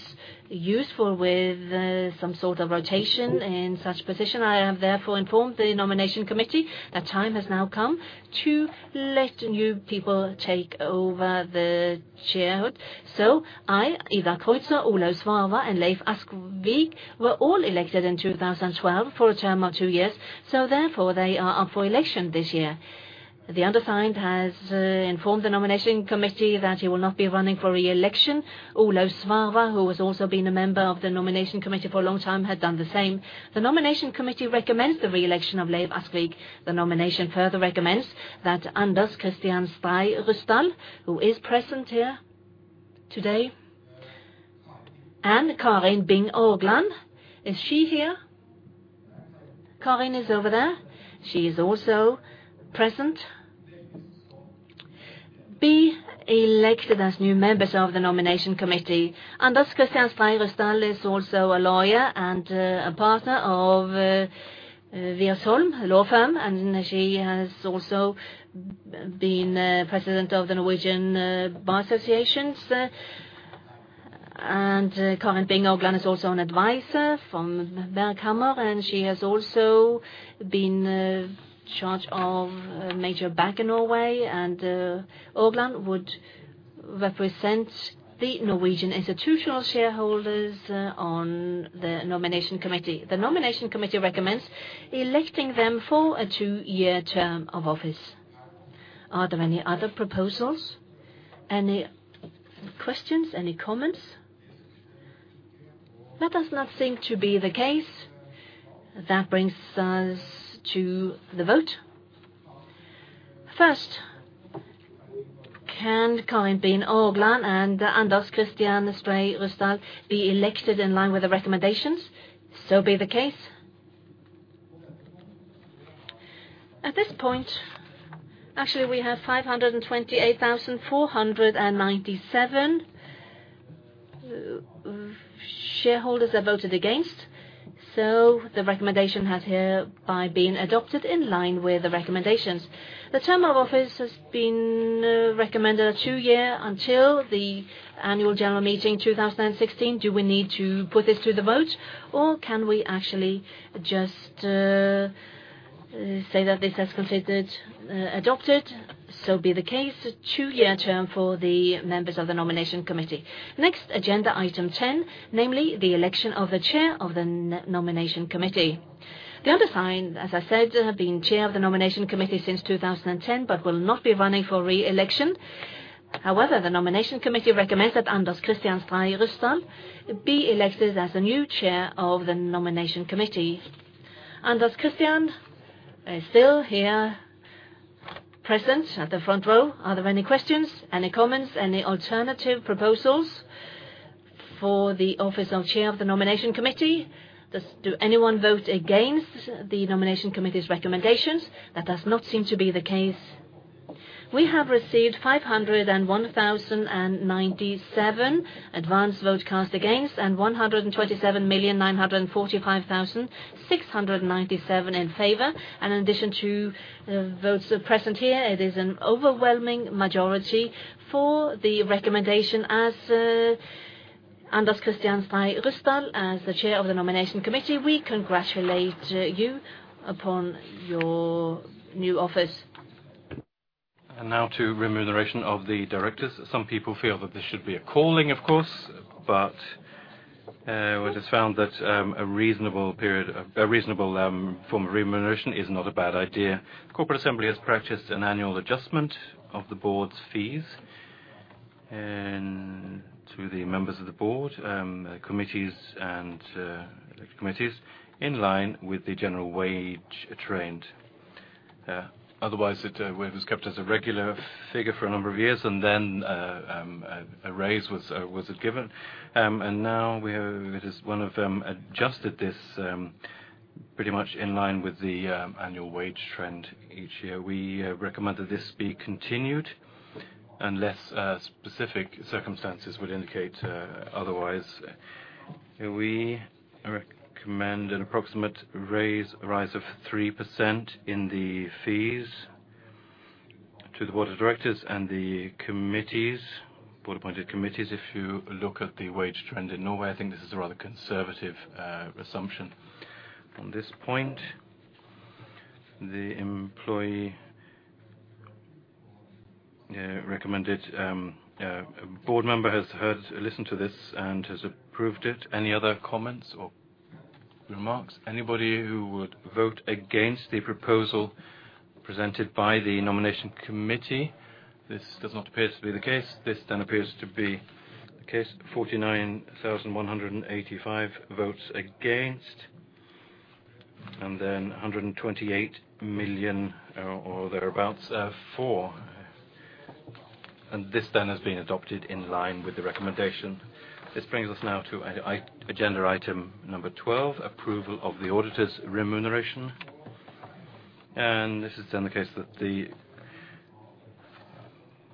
useful with, some sort of rotation in such position. I have therefore informed the Nomination Committee that time has now come to let new people take over the chairmanship. So I, Idar Kreutzer, Ola Svarva, and Leiv Askvig, were all elected in 2012 for a term of two years, so therefore, they are up for election this year. The undersigned has informed the nomination committee that he will not be running for re-election. Ola Svarva, who has also been a member of the nomination committee for a long time, had done the same. The nomination committee recommends the re-election of Leiv Askvig. The nomination further recommends that Anders Christian Stray Ryssdal, who is present here today, and Karin Bing Orgland. Is she here? Karin is over there. She is also present. Be elected as new members of the nomination committee. Anders Christian Stray Ryssdal is also a lawyer and a partner of Wiersholm Law Firm, and she has also been president of the Norwegian Bar Association. And Karin Bing Orgland is also an advisor from Berg-Hansen, and she has also been in charge of a major bank in Norway, and Orgland would represent the Norwegian institutional shareholders on the Nomination Committee. The Nomination Committee recommends electing them for a two-year term of office. Are there any other proposals? Any questions, any comments? That does not seem to be the case. That brings us to the vote. First, can Karin Bing Orgland and Anders Christian Stray Ryssdal be elected in line with the recommendations? So be the case. At this point, actually, we have 500 and 28,497 shareholders have voted against, so the recommendation has hereby been adopted in line with the recommendations. The term of office has been recommended a two-year until the Annual General Meeting, 2016. Do we need to put this to the vote, or can we actually just say that this is considered adopted? So be the case, a two-year term for the members of the nomination committee. Next, agenda item 10, namely, the election of the chair of the nomination committee. The undersigned, as I said, has been chair of the nomination committee since 2010, but will not be running for re-election. However, the nomination committee recommends that Anders Christian Stray Ryssdal be elected as the new chair of the nomination committee. Anders Christian is still here, present at the front row. Are there any questions, any comments, any alternative proposals for the office of Chair of the Nomination Committee? Does anyone vote against the nomination committee's recommendations? That does not seem to be the case. We have received 501,097 advance votes cast against, and 127,945,697 in favor. In addition to the votes present here, it is an overwhelming majority for the recommendation as Anders Christian Stray Ryssdal as the Chair of the Nomination Committee. We congratulate you upon your new office. Now to remuneration of the directors. Some people feel that this should be a calling, of course, but it is found that a reasonable form of remuneration is not a bad idea. The Corporate Assembly has practiced an annual adjustment of the board's fees and to the members of the board committees in line with the general wage trend. Otherwise, it was kept as a regular figure for a number of years, and then a raise was given. And now we have it adjusted. This pretty much in line with the annual wage trend each year. We recommend that this be continued unless specific circumstances would indicate otherwise. We recommend an approximate raise, rise of 3% in the fees to the board of directors and the committees, board-appointed committees. If you look at the wage trend in Norway, I think this is a rather conservative assumption. On this point, the employee recommended board member has heard-- listened to this and has approved it. Any other comments or remarks? Anybody who would vote against the proposal? presented by the Nomination Committee? This does not appear to be the case. This then appears to be the case. 49,185 votes against, and then a 128 million, or thereabouts, for. And this then has been adopted in line with the recommendation. This brings us now to agenda item number 12, approval of the auditor's remuneration. This is then the case that the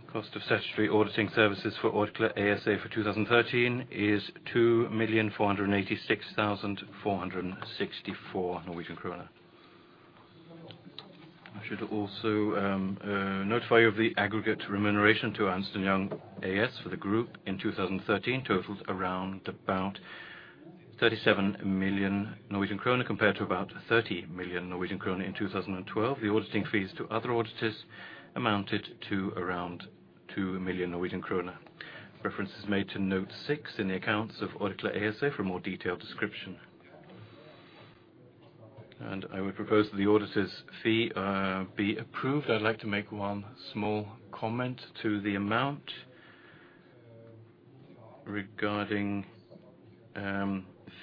cost of statutory auditing services for Orkla ASA for 2013 is 2,486,464 Norwegian krone. I should also notify you of the aggregate remuneration to Ernst & Young AS for the group in 2013, totaled around about 37 million Norwegian kroner, compared to about 30 million Norwegian kroner in 2012. The auditing fees to other auditors amounted to around 2 million Norwegian kroner. Reference is made to note six in the accounts of Orkla ASA for a more detailed description. I would propose that the auditor's fee be approved. I'd like to make one small comment to the amount regarding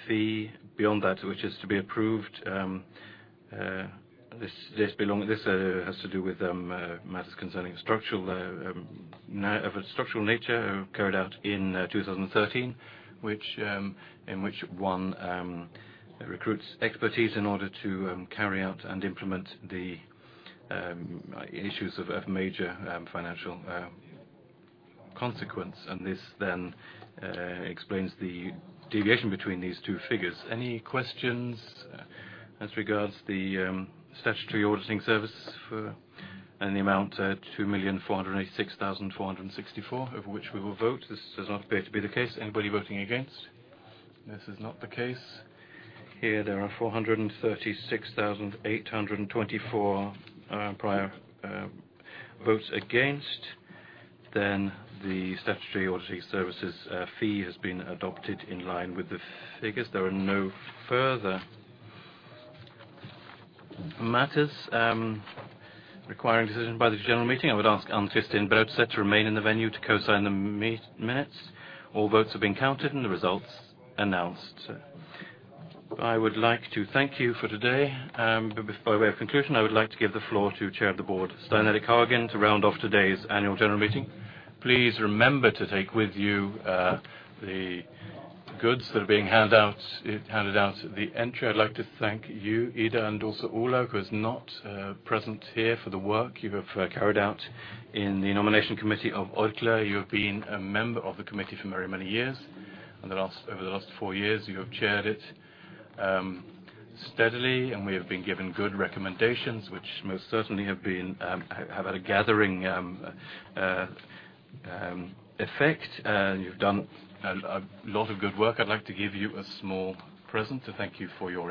fee. Beyond that, which is to be approved, this has to do with matters concerning structural nature carried out in 2013, which in which one recruits expertise in order to carry out and implement the issues of a major financial consequence. This then explains the deviation between these two figures. Any questions as regards the statutory auditing service and the amount 2,486,464, over which we will vote? This does not appear to be the case. Anybody voting against? This is not the case. Here, there are 436,824 prior votes against. Then the statutory auditing services fee has been adopted in line with the figures. There are no further matters requiring decision by the general meeting. I would ask Anne-Kristin Brautaset to remain in the venue to co-sign the minutes. All votes have been counted and the results announced. I would like to thank you for today. But by way of conclusion, I would like to give the floor to Chair of the Board, Stein Erik Hagen, to round off today's annual general meeting. Please remember to take with you the goods that are being handed out at the entry. I'd like to thank you, Idar, and also Ola, who is not present here, for the work you have carried out in the nomination committee of Orkla. You have been a member of the committee for very many years. Over the last four years, you have chaired it steadily, and we have been given good recommendations, which most certainly have had a gathering effect. And you've done a lot of good work. I'd like to give you a small present to thank you for your-